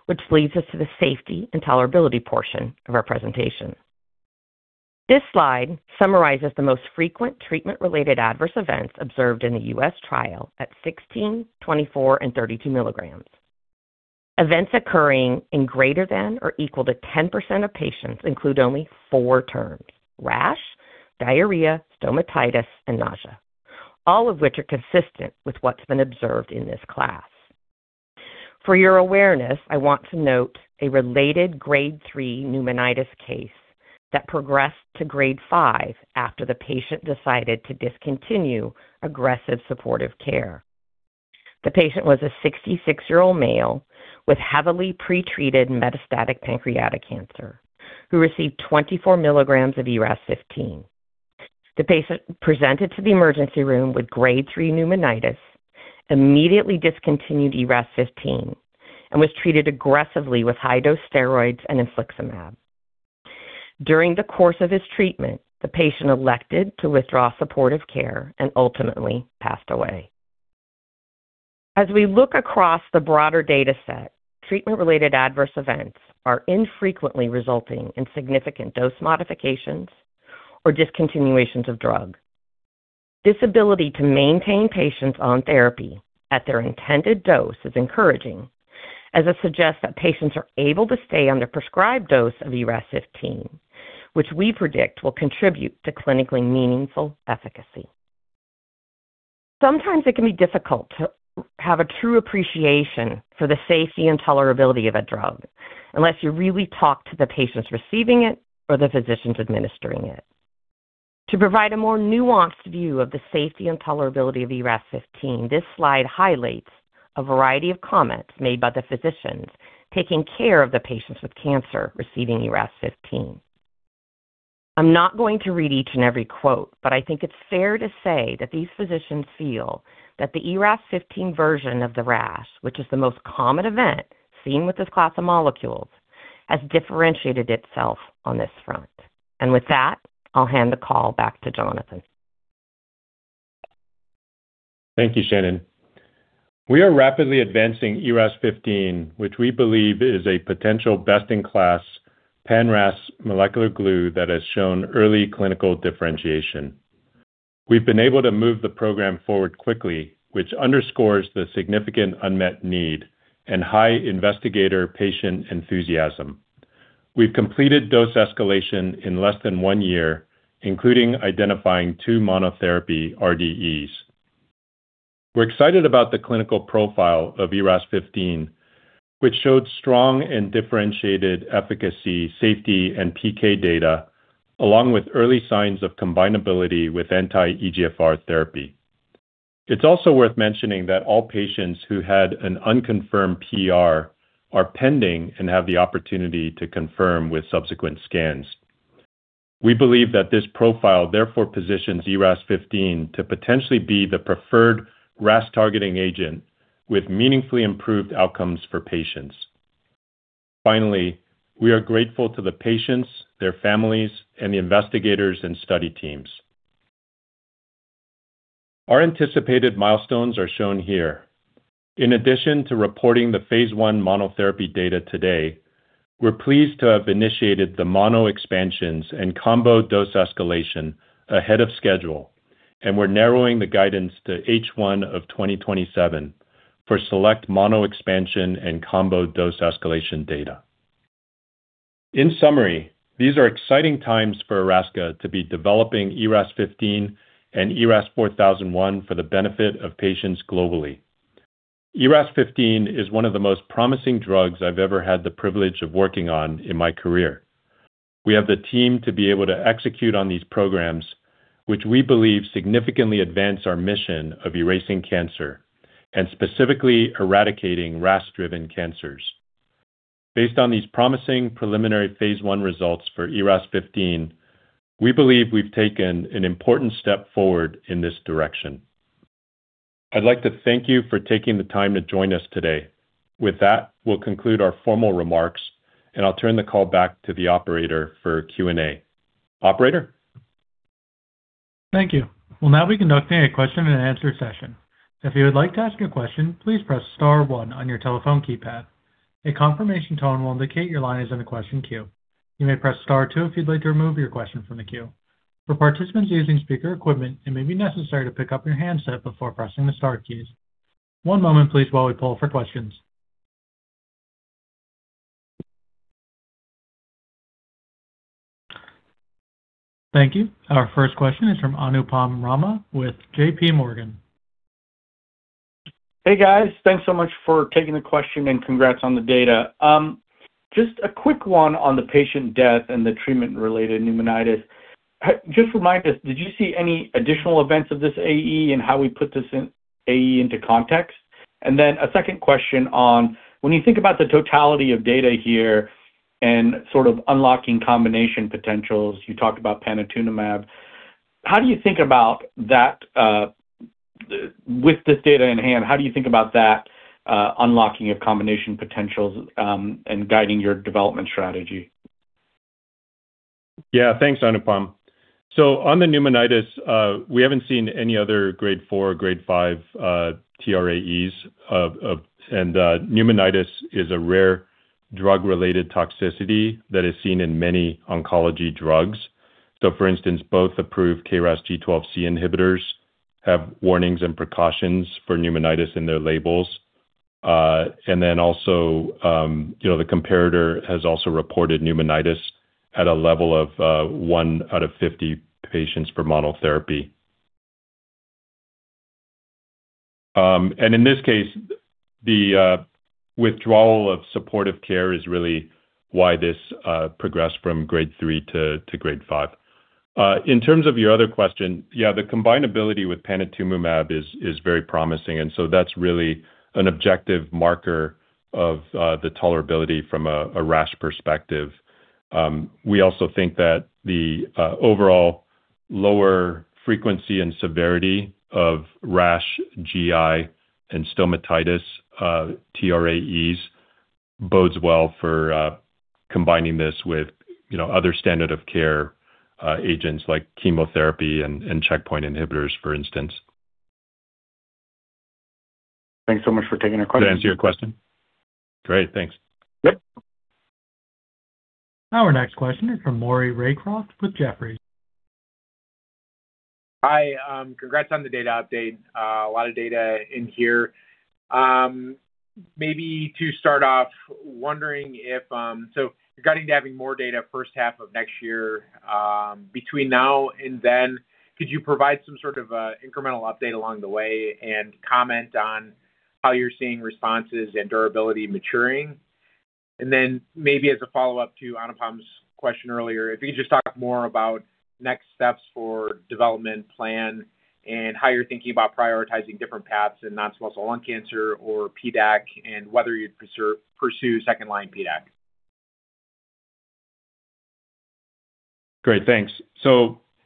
which leads us to the safety and tolerability portion of our presentation. This slide summarizes the most frequent treatment-related adverse events observed in the U.S. trial at 16, 24, and 32 milligrams. Events occurring in greater than or equal to 10% of patients include only four terms: rash, diarrhea, stomatitis, and nausea, all of which are consistent with what's been observed in this class. For your awareness, I want to note a related grade 3 pneumonitis case that progressed to grade 5 after the patient decided to discontinue aggressive supportive care. The patient was a 66-year-old male with heavily pretreated metastatic pancreatic cancer who received 24 milligrams of ERAS-0015. The patient presented to the emergency room with grade 3 pneumonitis, immediately discontinued ERAS-0015, and was treated aggressively with high-dose steroids and Infliximab. During the course of his treatment, the patient elected to withdraw supportive care and ultimately passed away. As we look across the broader data set, treatment-related adverse events are infrequently resulting in significant dose modifications or discontinuations of drug. This ability to maintain patients on therapy at their intended dose is encouraging, as it suggests that patients are able to stay on their prescribed dose of ERAS-0015, which we predict will contribute to clinically meaningful efficacy. Sometimes it can be difficult to have a true appreciation for the safety and tolerability of a drug unless you really talk to the patients receiving it or the physicians administering it. To provide a more nuanced view of the safety and tolerability of ERAS-0015, this slide highlights a variety of comments made by the physicians taking care of the patients with cancer receiving ERAS-0015. I'm not going to read each and every quote, but I think it's fair to say that these physicians feel that the ERAS-0015 version of the rash, which is the most common event seen with this class of molecules, has differentiated itself on this front. With that, I'll hand the call back to Jonathan. Thank you, Shannon. We are rapidly advancing ERAS-0015, which we believe is a potential best-in-class pan-RAS molecular glue that has shown early clinical differentiation. We've been able to move the program forward quickly, which underscores the significant unmet need and high investigator patient enthusiasm. We've completed dose escalation in less than one year, including identifying two monotherapy RDEs. We're excited about the clinical profile of ERAS-0015, which showed strong and differentiated efficacy, safety, and PK data, along with early signs of combinability with anti-EGFR therapy. It's also worth mentioning that all patients who had an unconfirmed PR are pending and have the opportunity to confirm with subsequent scans. We believe that this profile therefore positions ERAS-0015 to potentially be the preferred RAS targeting agent with meaningfully improved outcomes for patients. Finally, we are grateful to the patients, their families, and the investigators and study teams. Our anticipated milestones are shown here. In addition to reporting the Phase I monotherapy data today, we're pleased to have initiated the mono expansions and combo dose escalation ahead of schedule. We're narrowing the guidance to H1 2027 for select mono expansion and combo dose escalation data. In summary, these are exciting times for Erasca to be developing ERAS-0015 and ERAS-4001 for the benefit of patients globally. ERAS-0015 is one of the most promising drugs I've ever had the privilege of working on in my career. We have the team to be able to execute on these programs, which we believe significantly advance our mission of erasing cancer and specifically eradicating RAS-driven cancers. Based on these promising preliminary Phase I results for ERAS-0015, we believe we've taken an important step forward in this direction. I'd like to thank you for taking the time to join us today. With that, we'll conclude our formal remarks, and I'll turn the call back to the operator for Q&A. Operator? Thank you. We'll now be conducting a question and answer session. If you would like to ask a question, please press star one on your telephone keypad. A confirmation tone will indicate your line is in the question queue. You may press star two if you'd like to remove your question from the queue. For participants using speaker equipment, it may be necessary to pick up your handset before pressing the star keys. One moment please while we poll for questions. Thank you. Our first question is from Anupam Rama with J.P. Morgan. Hey, guys. Thanks so much for taking the question and congrats on the data. Just a quick one on the patient death and the treatment-related pneumonitis. Just remind us, did you see any additional events of this AE and how we put this AE into context? A second question on when you think about the totality of data here and sort of unlocking combination potentials, you talked about panitumumab. How do you think about that with this data in hand, unlocking of combination potentials and guiding your development strategy? Yeah. Thanks, Anupam. On the pneumonitis, we haven't seen any other grade 4, grade 5, TRAEs. Pneumonitis is a rare drug-related toxicity that is seen in many oncology drugs. For instance, both approved KRAS G12C inhibitors have warnings and precautions for pneumonitis in their labels. You know, the comparator has also reported pneumonitis at a level of 1 out of 50 patients per monotherapy. In this case, the withdrawal of supportive care is really why this progressed from grade 3 to grade 5. In terms of your other question, yeah, the combinability with panitumumab is very promising, and that's really an objective marker of the tolerability from a rash perspective. We also think that the overall lower frequency and severity of rash, GI, and stomatitis TRAEs bodes well for combining this with, you know, other standard of care agents like chemotherapy and checkpoint inhibitors, for instance. Thanks so much for taking our question. Did that answer your question? Great. Thanks. Yep. Our next question is from Maurice Raycroft with Jefferies. Hi. Congrats on the data update. A lot of data in here. Maybe to start off wondering if regarding having more data first half of next year, between now and then, could you provide some sort of incremental update along the way and comment on how you're seeing responses and durability maturing? Then maybe as a follow-up to Anupam's question earlier, if you could just talk more about next steps for development plan and how you're thinking about prioritizing different paths in non-small cell lung cancer or PDAC and whether you'd pursue second line PDAC. Great. Thanks.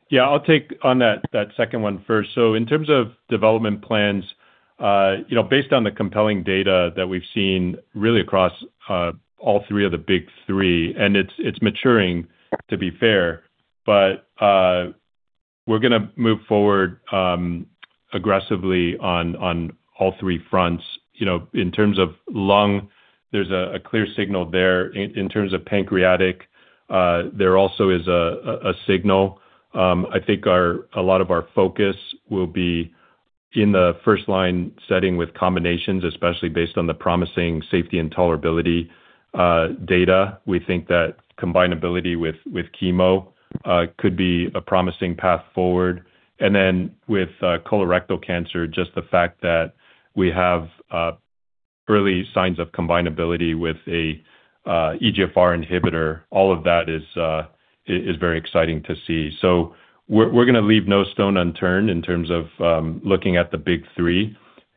Yeah, I'll take on that second one first. In terms of development plans, you know, based on the compelling data that we've seen really across all three of the big three, and it's maturing to be fair, but we're gonna move forward aggressively on all three fronts. You know, in terms of lung, there's a clear signal there. In terms of pancreatic, there also is a signal. I think a lot of our focus will be in the first line setting with combinations, especially based on the promising safety and tolerability data. We think that combinability with chemo could be a promising path forward. Then with colorectal cancer, just the fact that we have early signs of combinability with a EGFR inhibitor, all of that is very exciting to see. We're gonna leave no stone unturned in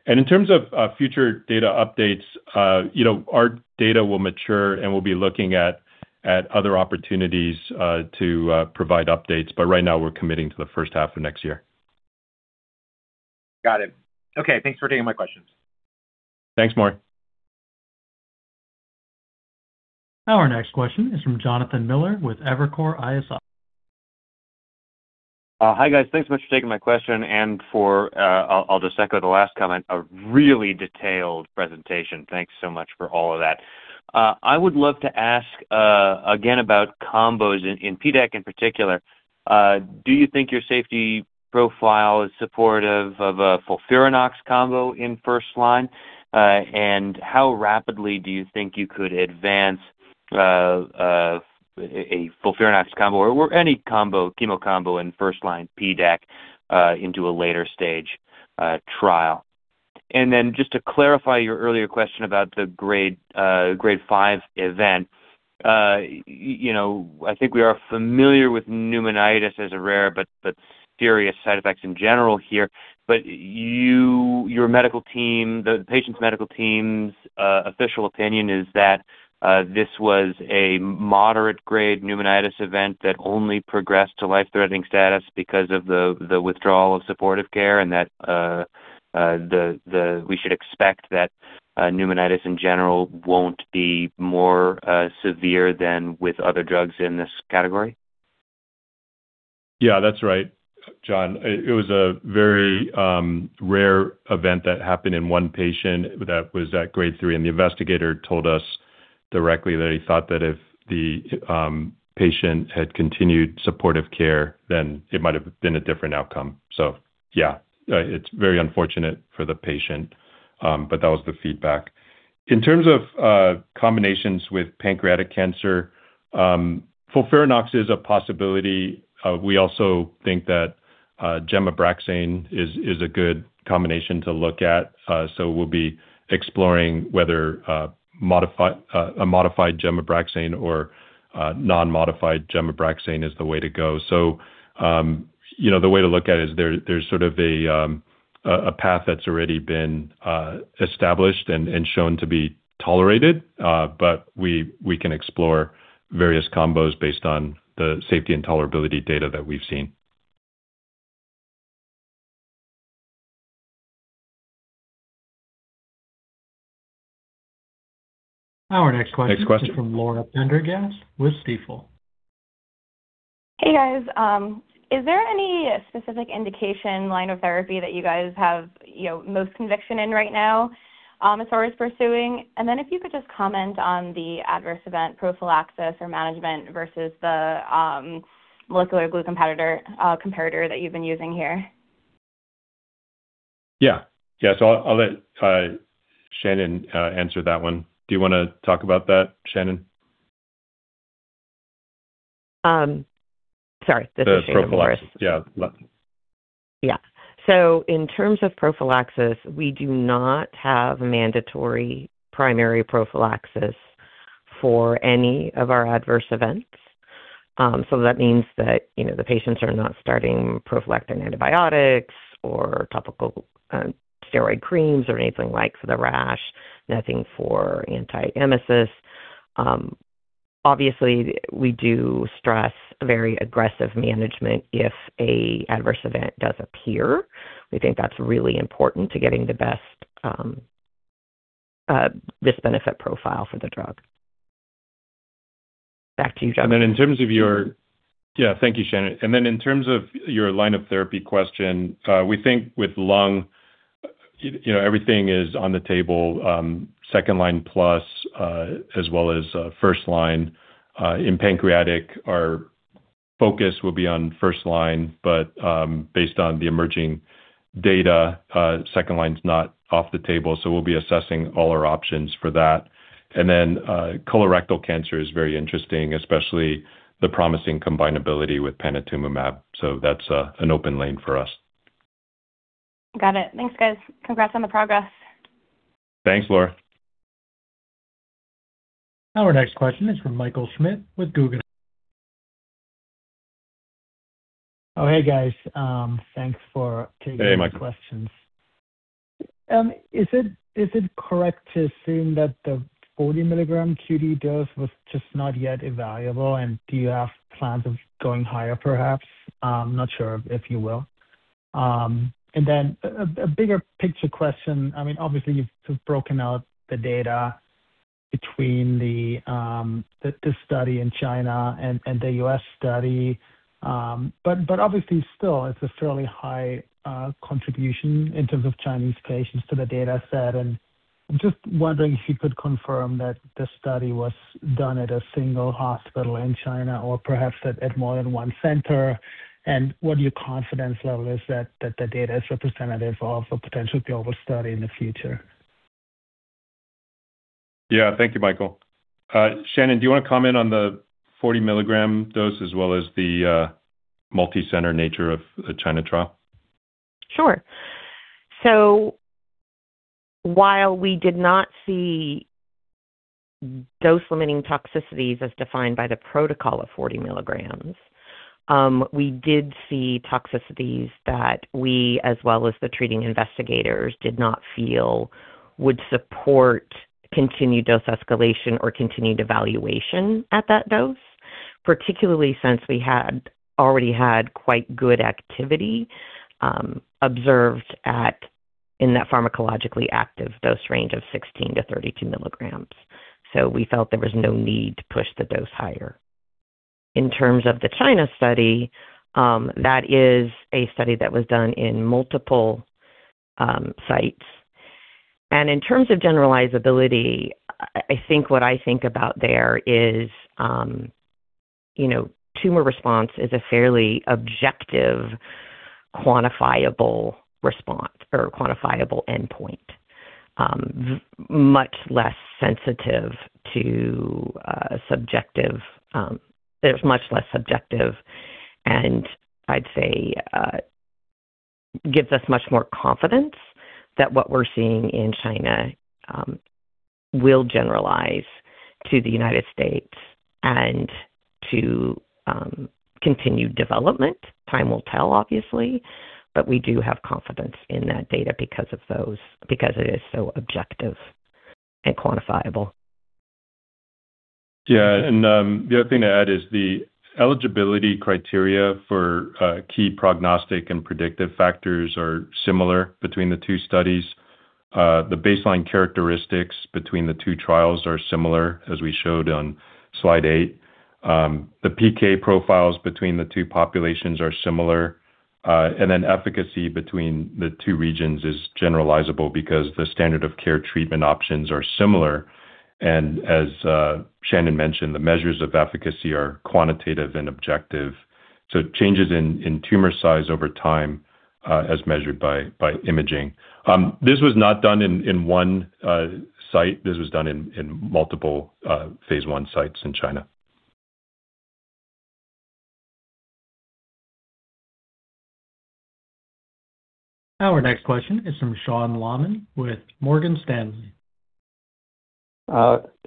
terms of looking at the big three. In terms of future data updates, you know, our data will mature, and we'll be looking at other opportunities to provide updates. Right now we're committing to the first half of next year. Got it. Okay. Thanks for taking my questions. Thanks, Maurice. Our next question is from Jonathan Miller with Evercore ISI. Hi, guys. Thanks so much for taking my question and for, I'll just echo the last comment, a really detailed presentation. Thanks so much for all of that. I would love to ask again about combos in PDAC in particular. Do you think your safety profile is supportive of a FOLFIRINOX combo in first line? How rapidly do you think you could advance a FOLFIRINOX combo or any combo, chemo combo in first line PDAC into a later stage trial? Then just to clarify your earlier question about the grade five event. You know, I think we are familiar with pneumonitis as a rare but serious side effects in general here. You, your medical team, the patient's medical team's official opinion is that this was a moderate grade pneumonitis event that only progressed to life-threatening status because of the withdrawal of supportive care and that we should expect that pneumonitis in general won't be more severe than with other drugs in this category? Yeah, that's right, Jonathan. It was a very rare event that happened in one patient that was at grade three, and the investigator told us directly that he thought that if the patient had continued supportive care, then it might have been a different outcome. Yeah, it's very unfortunate for the patient, but that was the feedback. In terms of combinations with pancreatic cancer, FOLFIRINOX is a possibility. We also think that gemcitabine and Abraxane is a good combination to look at. We'll be exploring whether a modified gemcitabine and Abraxane or non-modified gemcitabine and Abraxane is the way to go. You know, the way to look at it is there's sort of a path that's already been established and shown to be tolerated, but we can explore various combos based on the safety and tolerability data that we've seen. Our next question. Next question. is from Laura Prendergast with Stifel. Hey, guys. Is there any specific indication line of therapy that you guys have, you know, most conviction in right now, Amvis is pursuing? If you could just comment on the adverse event prophylaxis or management versus the molecular glue competitor, comparator that you've been using here? Yeah. Yeah. I'll let Shannon answer that one. Do you wanna talk about that, Shannon? Sorry. This is Shannon Morris. The prophylaxis. Yeah. Yeah. In terms of prophylaxis, we do not have mandatory primary prophylaxis for any of our adverse events. That means that, you know, the patients are not starting prophylactic antibiotics or topical steroid creams or anything like for the rash, nothing for antiemesis. Obviously we do stress very aggressive management if an adverse event does appear. We think that's really important to getting the best risk/benefit profile for the drug. Back to you, Jonathan. Thank you, Shannon. In terms of your line of therapy question, we think with lung, you know, everything is on the table, second-line plus, as well as first line. In pancreatic, our focus will be on first line, but based on the emerging data, second line's not off the table, so we'll be assessing all our options for that. Colorectal cancer is very interesting, especially the promising combinability with panitumumab, so that's an open lane for us. Got it. Thanks, guys. Congrats on the progress. Thanks, Laura. Our next question is from Michael Schmidt with Guggenheim. Oh, hey guys. Thanks for taking my questions. Hey, Michael. Is it correct to assume that the 40-milligram QD dose was just not yet evaluable, and do you have plans of going higher perhaps? I'm not sure if you will. Then a bigger picture question, I mean, obviously you've broken out the data between this study in China and the U.S. study. But obviously still it's a fairly high contribution in terms of Chinese patients to the dataset. I'm just wondering if you could confirm that the study was done at a single hospital in China or perhaps at more than one center, and what your confidence level is that the data is representative of a potential global study in the future. Yeah. Thank you, Michael. Shannon, do you wanna comment on the 40-milligram dose as well as the multicenter nature of the China trial? While we did not see dose-limiting toxicities as defined by the protocol of 40 milligrams, we did see toxicities that we as well as the treating investigators did not feel would support continued dose escalation or continued evaluation at that dose, particularly since we had already had quite good activity observed in that pharmacologically active dose range of 16-32 milligrams. We felt there was no need to push the dose higher. In terms of the China study, that is a study that was done in multiple sites. In terms of generalizability, I think what I think about there is, you know, tumor response is a fairly objective, quantifiable response or quantifiable endpoint, much less sensitive to subjective. It's much less subjective and I'd say gives us much more confidence that what we're seeing in China will generalize to the United States and to continue development. Time will tell, obviously, but we do have confidence in that data because it is so objective and quantifiable. Yeah. The other thing to add is the eligibility criteria for key prognostic and predictive factors are similar between the two studies. The baseline characteristics between the two trials are similar, as we showed on slide 8. The PK profiles between the two populations are similar. Efficacy between the two regions is generalizable because the standard of care treatment options are similar. As Shannon mentioned, the measures of efficacy are quantitative and objective, so changes in tumor size over time as measured by imaging. This was not done in one site. This was done in multiple Phase I sites in China. Our next question is from Sean Laaman with Morgan Stanley.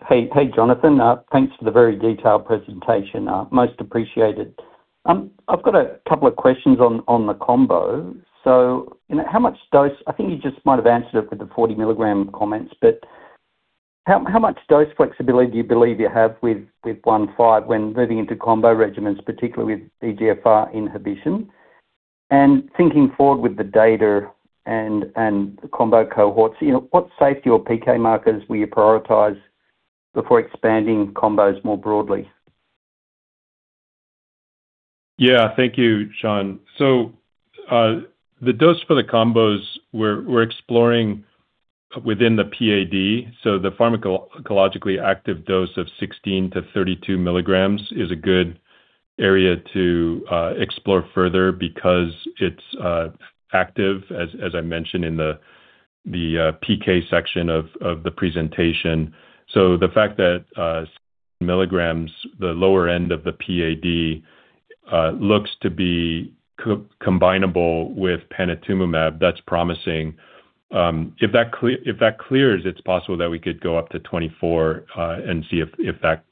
Hey, Jonathan. Thanks for the very detailed presentation. Most appreciated. I've got a couple of questions on the combo. You know, I think you just might have answered it with the 40-milligram comments, but how much dose flexibility do you believe you have with ERAS-0015 when moving into combo regimens, particularly with EGFR inhibition? Thinking forward with the data and the combo cohorts, you know, what safety or PK markers will you prioritize before expanding combos more broadly? Yeah. Thank you, Sean. The dose for the combos we're exploring within the PAD, the pharmacologically active dose of 16-32 mg is a good area to explore further because it's active, as I mentioned in the PK section of the presentation. The fact that milligrams, the lower end of the PAD, looks to be combinable with panitumumab, that's promising. If that clears, it's possible that we could go up to 24 and see if that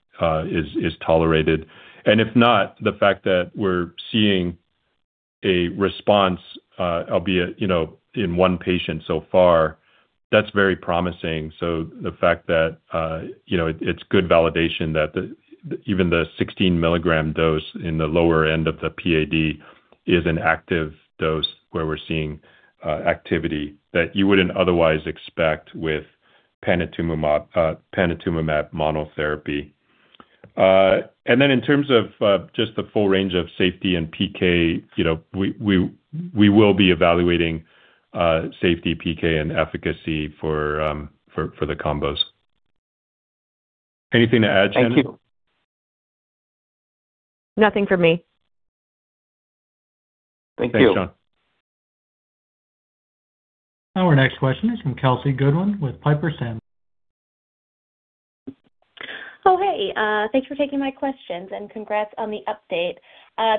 is tolerated. If not, the fact that we're seeing a response, albeit, you know, in one patient so far, that's very promising. The fact that, you know, it's good validation that even the 16-milligram dose in the lower end of the PAD is an active dose where we're seeing activity that you wouldn't otherwise expect with panitumumab monotherapy. In terms of just the full range of safety and PK, you know, we will be evaluating safety PK and efficacy for the combos. Anything to add, Shannon? Nothing for me. Thank you. Thanks, Sean. Our next question is from Kelsey Goodwin with Piper Sandler. Oh, hey. Thanks for taking my questions and congrats on the update.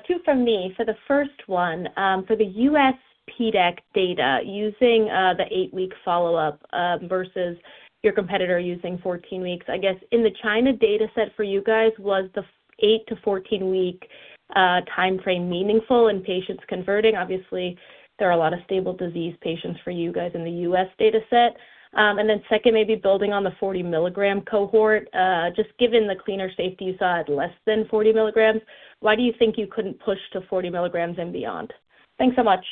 Two from me. For the first one, for the U.S. PDAC data, using the 8-week follow-up versus your competitor using 14 weeks, I guess in the China data set for you guys, was the 8- to 14-week timeframe meaningful in patients converting? Obviously, there are a lot of stable disease patients for you guys in the U.S. data set. And then second, maybe building on the 40-milligram cohort, just given the cleaner safety you saw at less than 40 milligrams, why do you think you couldn't push to 40 milligrams and beyond? Thanks so much.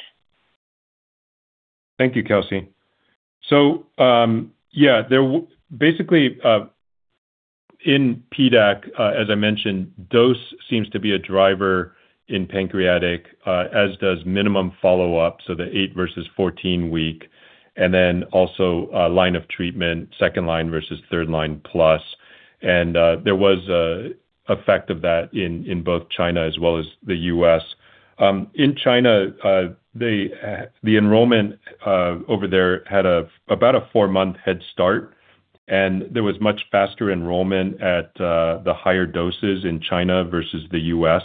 Thank you, Kelsey. Basically, in PDAC, as I mentioned, dose seems to be a driver in pancreatic, as does minimum follow-up, so the 8 versus 14 week, and then also, line of treatment, second line versus third line plus. There was an effect of that in both China as well as the U.S. In China, the enrollment over there had about a 4-month head start, and there was much faster enrollment at the higher doses in China versus the U.S.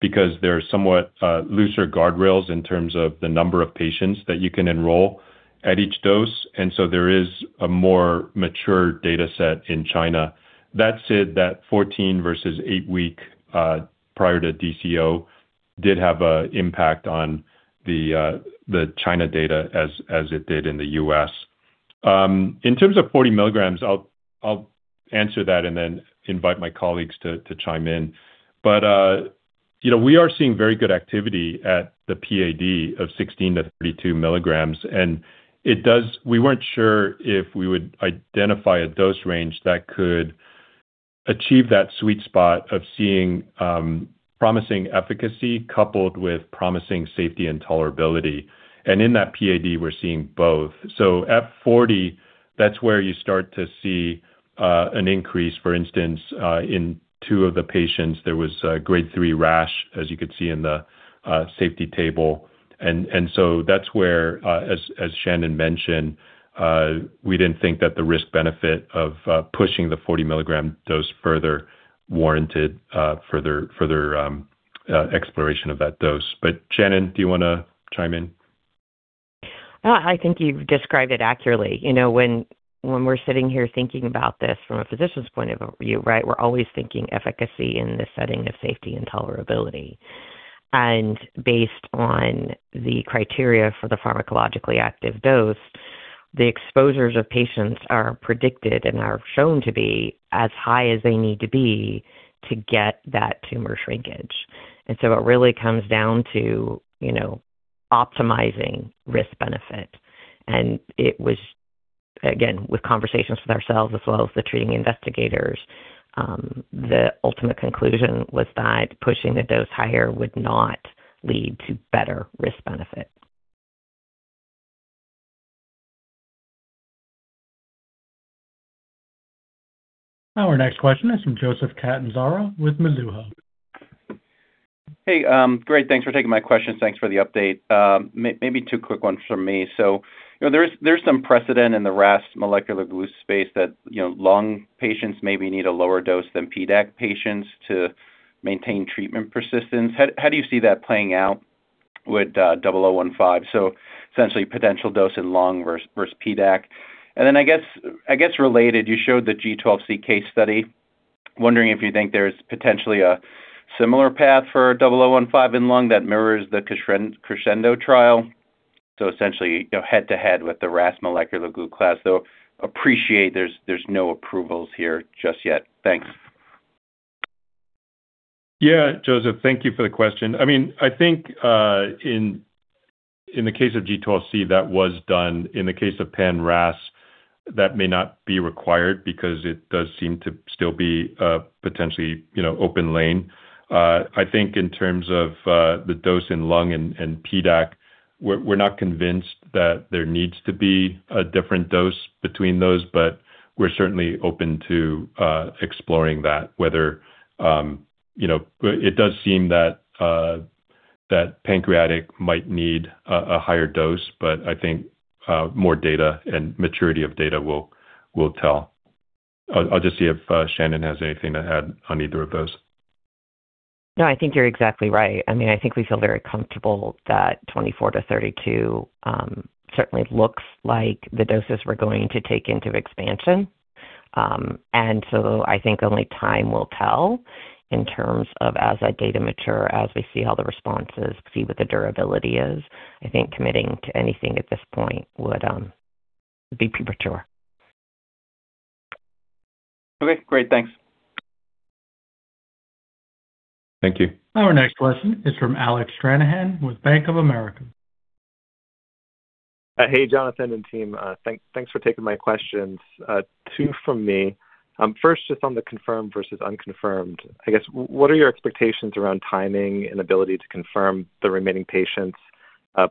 because there are somewhat looser guardrails in terms of the number of patients that you can enroll at each dose. There is a more mature data set in China. That said, that 14 versus 8-week prior to DCO did have an impact on the China data as it did in the US. In terms of 40 milligrams, I'll answer that and then invite my colleagues to chime in. You know, we are seeing very good activity at the PAD of 16-32 milligrams. It does. We weren't sure if we would identify a dose range that could achieve that sweet spot of seeing promising efficacy coupled with promising safety and tolerability. In that PAD, we're seeing both. At 40, that's where you start to see an increase. For instance, in two of the patients, there was a grade 3 rash, as you could see in the safety table. That's where, as Shannon mentioned, we didn't think that the risk-benefit of pushing the 40-milligram dose further warranted further exploration of that dose. Shannon, do you wanna chime in? I think you've described it accurately. You know, when we're sitting here thinking about this from a physician's point of view, right, we're always thinking efficacy in the setting of safety and tolerability. Based on the criteria for the pharmacologically active dose, the exposures of patients are predicted and are shown to be as high as they need to be to get that tumor shrinkage. It really comes down to, you know, optimizing risk-benefit. It was, again, with conversations with ourselves as well as the treating investigators, the ultimate conclusion was that pushing the dose higher would not lead to better risk-benefit. Our next question is from Joseph Catanzaro with Mizuho. Hey, great. Thanks for taking my questions. Thanks for the update. Maybe two quick ones from me. So, you know, there's some precedent in the RAS molecular glue space that, you know, lung patients maybe need a lower dose than PDAC patients to maintain treatment persistence. How do you see that playing out with double oh one five? So essentially, potential dose in lung versus PDAC. And then I guess related, you showed the G12C case study. Wondering if you think there's potentially a similar path for double oh one five in lung that mirrors the CRESCENDO trial. So essentially, you know, head-to-head with the RAS molecular glue class. Though I appreciate there's no approvals here just yet. Thanks. Yeah. Joseph, thank you for the question. I mean, I think in the case of G12C, that was done. In the case of pan-RAS, that may not be required because it does seem to still be a potentially, you know, open lane. I think in terms of the dose in lung and PDAC, we're not convinced that there needs to be a different dose between those, but we're certainly open to exploring that, whether it does seem that pancreatic might need a higher dose, but I think more data and maturity of data will tell. I'll just see if Shannon has anything to add on either of those. No, I think you're exactly right. I mean, I think we feel very comfortable that 24-32 certainly looks like the doses we're going to take into expansion. I think only time will tell in terms of as that data mature, as we see how the responses, what the durability is. I think committing to anything at this point would be premature. Okay, great. Thanks. Thank you. Our next question is from Alec Stranahan with Bank of America. Hey, Jonathan and team. Thanks for taking my questions. Two from me. First, just on the confirmed versus unconfirmed, I guess, what are your expectations around timing and ability to confirm the remaining patients,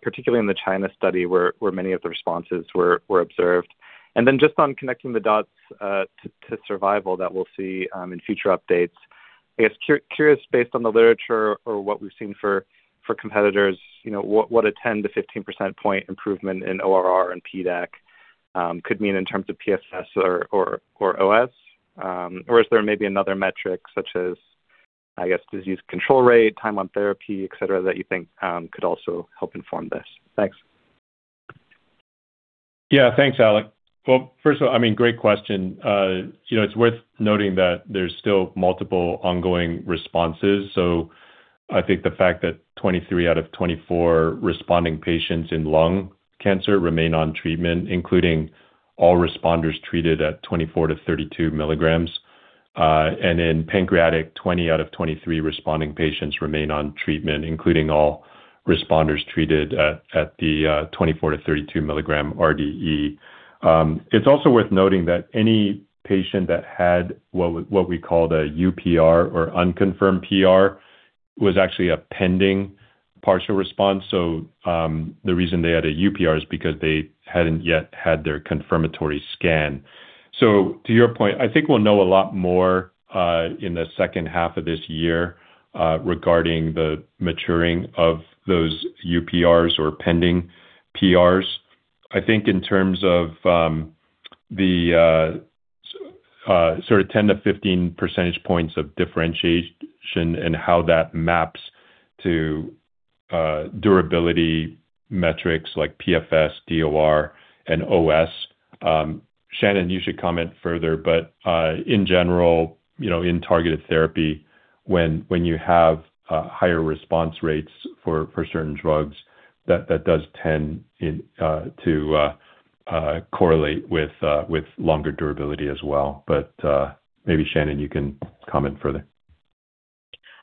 particularly in the China study where many of the responses were observed? Just on connecting the dots to survival that we'll see in future updates, I guess, curious, based on the literature or what we've seen for competitors, you know, what a 10-15 percentage point improvement in ORR and PDAC could mean in terms of PFS or OS? Or is there maybe another metric such as, I guess, disease control rate, time on therapy, et cetera, that you think could also help inform this? Thanks. Yeah. Thanks, Alec. Well, first of all, I mean, great question. You know, it's worth noting that there's still multiple ongoing responses. So I think the fact that 23 out of 24 responding patients in lung cancer remain on treatment, including all responders treated at 24-32 milligrams, and in pancreatic, 20 out of 23 responding patients remain on treatment, including all responders treated at the 24-32 milligram RDE. It's also worth noting that any patient that had what we call the UPR or unconfirmed PR was actually a pending partial response. So, the reason they had a UPR is because they hadn't yet had their confirmatory scan. So to your point, I think we'll know a lot more in the second half of this year regarding the maturing of those UPRs or pending PRs. I think in terms of the sort of 10-15 percentage points of differentiation and how that maps to durability metrics like PFS, DOR, and OS, Shannon, you should comment further. In general, you know, in targeted therapy, when you have higher response rates for certain drugs, that does tend to correlate with longer durability as well. Maybe, Shannon, you can comment further.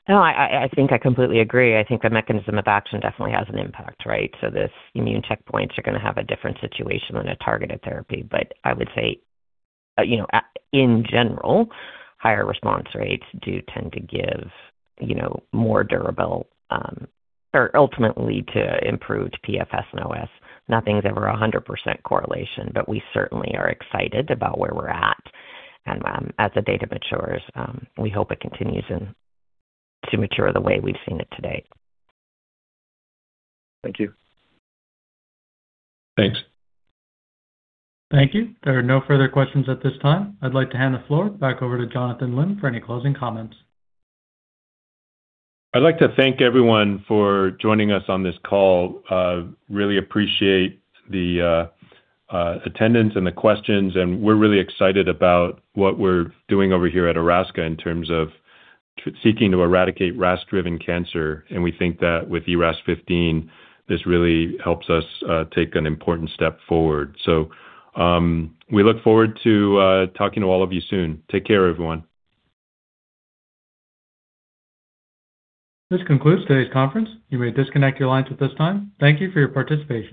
No, I think I completely agree. I think the mechanism of action definitely has an impact, right? Immune checkpoints are gonna have a different situation than a targeted therapy. I would say, in general, higher response rates do tend to give more durable or ultimately to improved PFS and OS. Nothing's ever 100% correlation, but we certainly are excited about where we're at. As the data matures, we hope it continues to mature the way we've seen it today. Thank you. Thanks. Thank you. There are no further questions at this time. I'd like to hand the floor back over to Jonathan Lim for any closing comments. I'd like to thank everyone for joining us on this call. Really appreciate the attendance and the questions, and we're really excited about what we're doing over here at Erasca in terms of seeking to eradicate RAS-driven cancer, and we think that with ERAS-0015, this really helps us take an important step forward. We look forward to talking to all of you soon. Take care, everyone. This concludes today's conference. You may disconnect your lines at this time. Thank you for your participation.